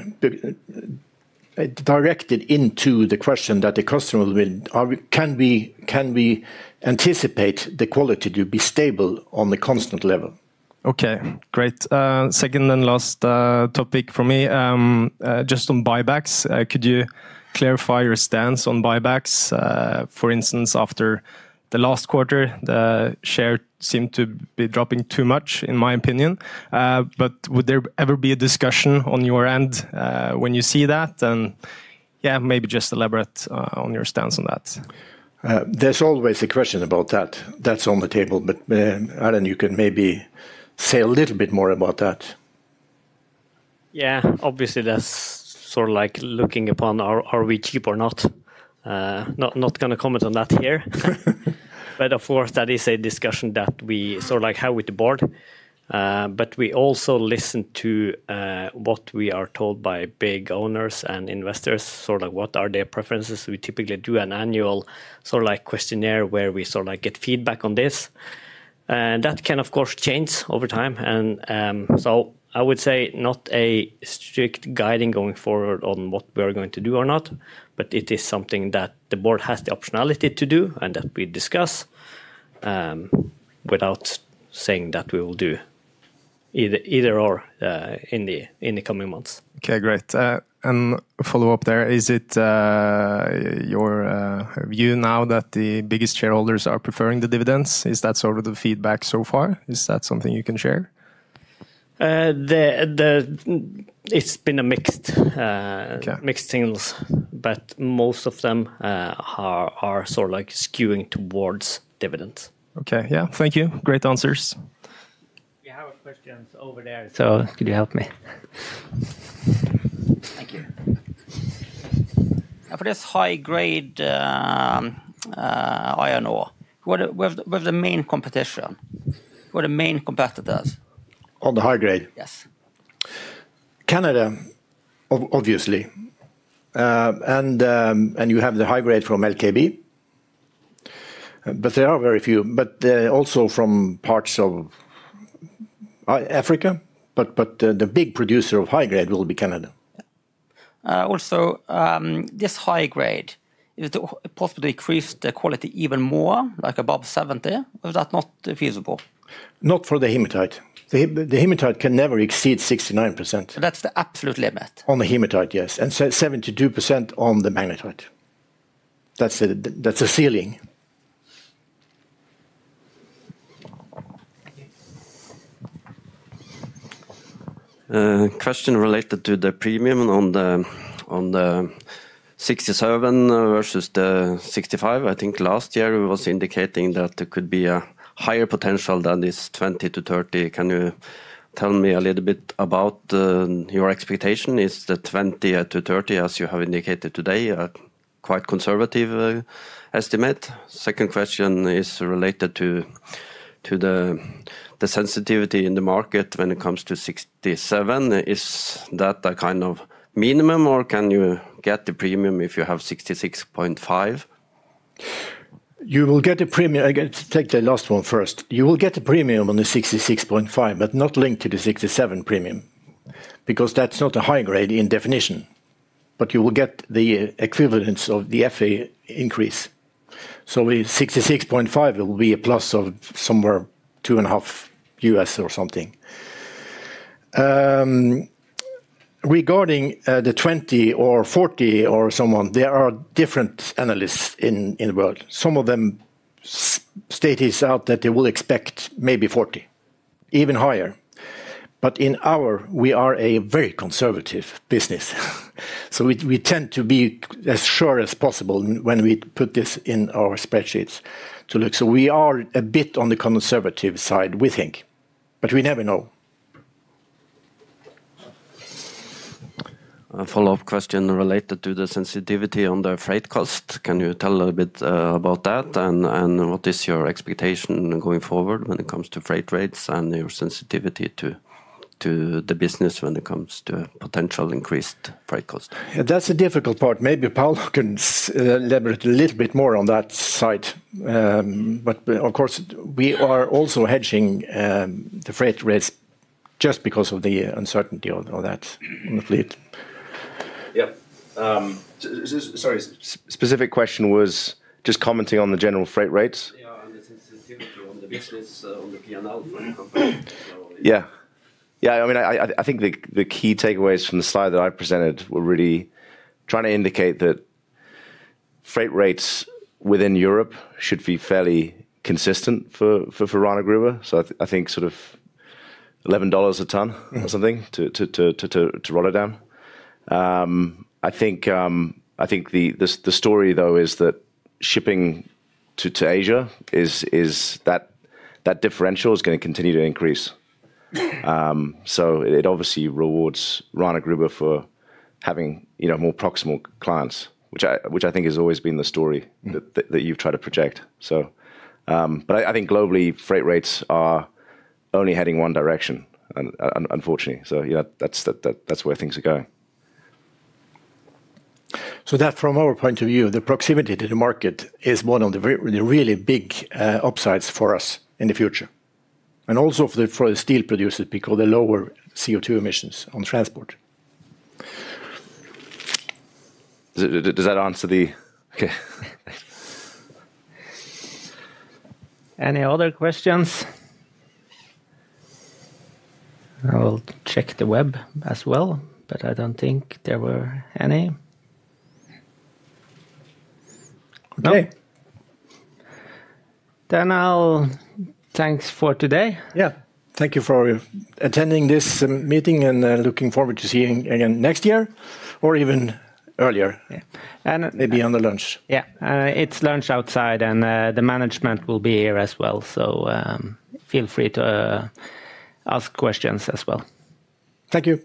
Directed into the question that the customer will be, can we anticipate the quality to be stable on the constant level? Okay, great. Second and last topic for me, just on buybacks. Could you clarify your stance on buybacks? For instance, after the last quarter, the share seemed to be dropping too much, in my opinion. Would there ever be a discussion on your end when you see that? Yeah, maybe just elaborate on your stance on that. There's always a question about that. That's on the table. Erlend, you can maybe say a little bit more about that. Yeah, obviously that's sort of like looking upon are we cheap or not. Not going to comment on that here. Of course, that is a discussion that we sort of like have with the board. We also listen to what we are told by big owners and investors, sort of like what are their preferences. We typically do an annual sort of like questionnaire where we sort of like get feedback on this. That can, of course, change over time. I would say not a strict guiding going forward on what we're going to do or not. But it is something that the board has the optionality to do and that we discuss without saying that we will do either or in the coming months. Okay, great. A follow-up there, is it your view now that the biggest shareholders are preferring the dividends? Is that sort of the feedback so far? Is that something you can share? It's been mixed signals, but most of them are sort of like skewing towards dividends. Okay, yeah, thank you. Great answers. We have a question over there. Could you help me? Thank you. For this high grade iron ore, what are the main competition? What are the main competitors? On the high grade? Yes. Canada, obviously. And you have the high grade from LKAB. There are very few. Also from parts of Africa. The big producer of high grade will be Canada. Also, this high grade, is it possible to increase the quality even more, like above 70%? Is that not feasible? Not for the hematite. The hematite can never exceed 69%. That's the absolute limit. On the hematite, yes. And 72% on the magnetite. That's a ceiling. Question related to the premium on the 67 versus the 65. I think last year we was indicating that there could be a higher potential than this 20%-30%. Can you tell me a little bit about your expectation? Is the 20%-30%, as you have indicated today, a quite conservative estimate? Second question is related to the sensitivity in the market when it comes to 67. Is that a kind of minimum or can you get the premium if you have 66.5%? You will get the premium. I get to take the last one first. You will get the premium on the 66.5, but not linked to the 67 premium. Because that's not a high grade in definition. You will get the equivalence of the FE increase. With 66.5, it will be a plus of somewhere $2.50 or something. Regarding the 20 or 40 or someone, there are different analysts in the world. Some of them state it out that they will expect maybe 40, even higher. In our, we are a very conservative business. We tend to be as sure as possible when we put this in our spreadsheets to look. We are a bit on the conservative side, we think. We never know. Follow-up question related to the sensitivity on the freight cost. Can you tell a little bit about that? What is your expectation going forward when it comes to freight rates and your sensitivity to the business when it comes to potential increased freight cost? That's a difficult part. Maybe Paolo can elaborate a little bit more on that side. Of course, we are also hedging the freight rates just because of the uncertainty of that on the fleet. Yeah. Sorry, specific question was just commenting on the general freight rates. Yeah, on the sensitivity on the business, on the P&L for the company. Yeah. I mean, I think the key takeaways from the slide that I presented were really trying to indicate that freight rates within Europe should be fairly consistent for Rana Gruber. I think sort of $11 a ton or something to Rotterdam. I think the story, though, is that shipping to Asia is that that differential is going to continue to increase. It obviously rewards Rana Gruber for having more proximal clients, which I think has always been the story that you've tried to project. I think globally, freight rates are only heading one direction, unfortunately. That is where things are going. From our point of view, the proximity to the market is one of the really big upsides for us in the future, and also for the steel producers because of the lower CO2 emissions on transport. Does that answer the... Okay. Any other questions? I will check the web as well, but I don't think there were any. Okay. Then thanks for today. Yeah. Thank you for attending this meeting and looking forward to seeing you again next year or even earlier. Maybe at the lunch. Yeah. It's lunch outside and the management will be here as well, so feel free to ask questions as well. Thank you.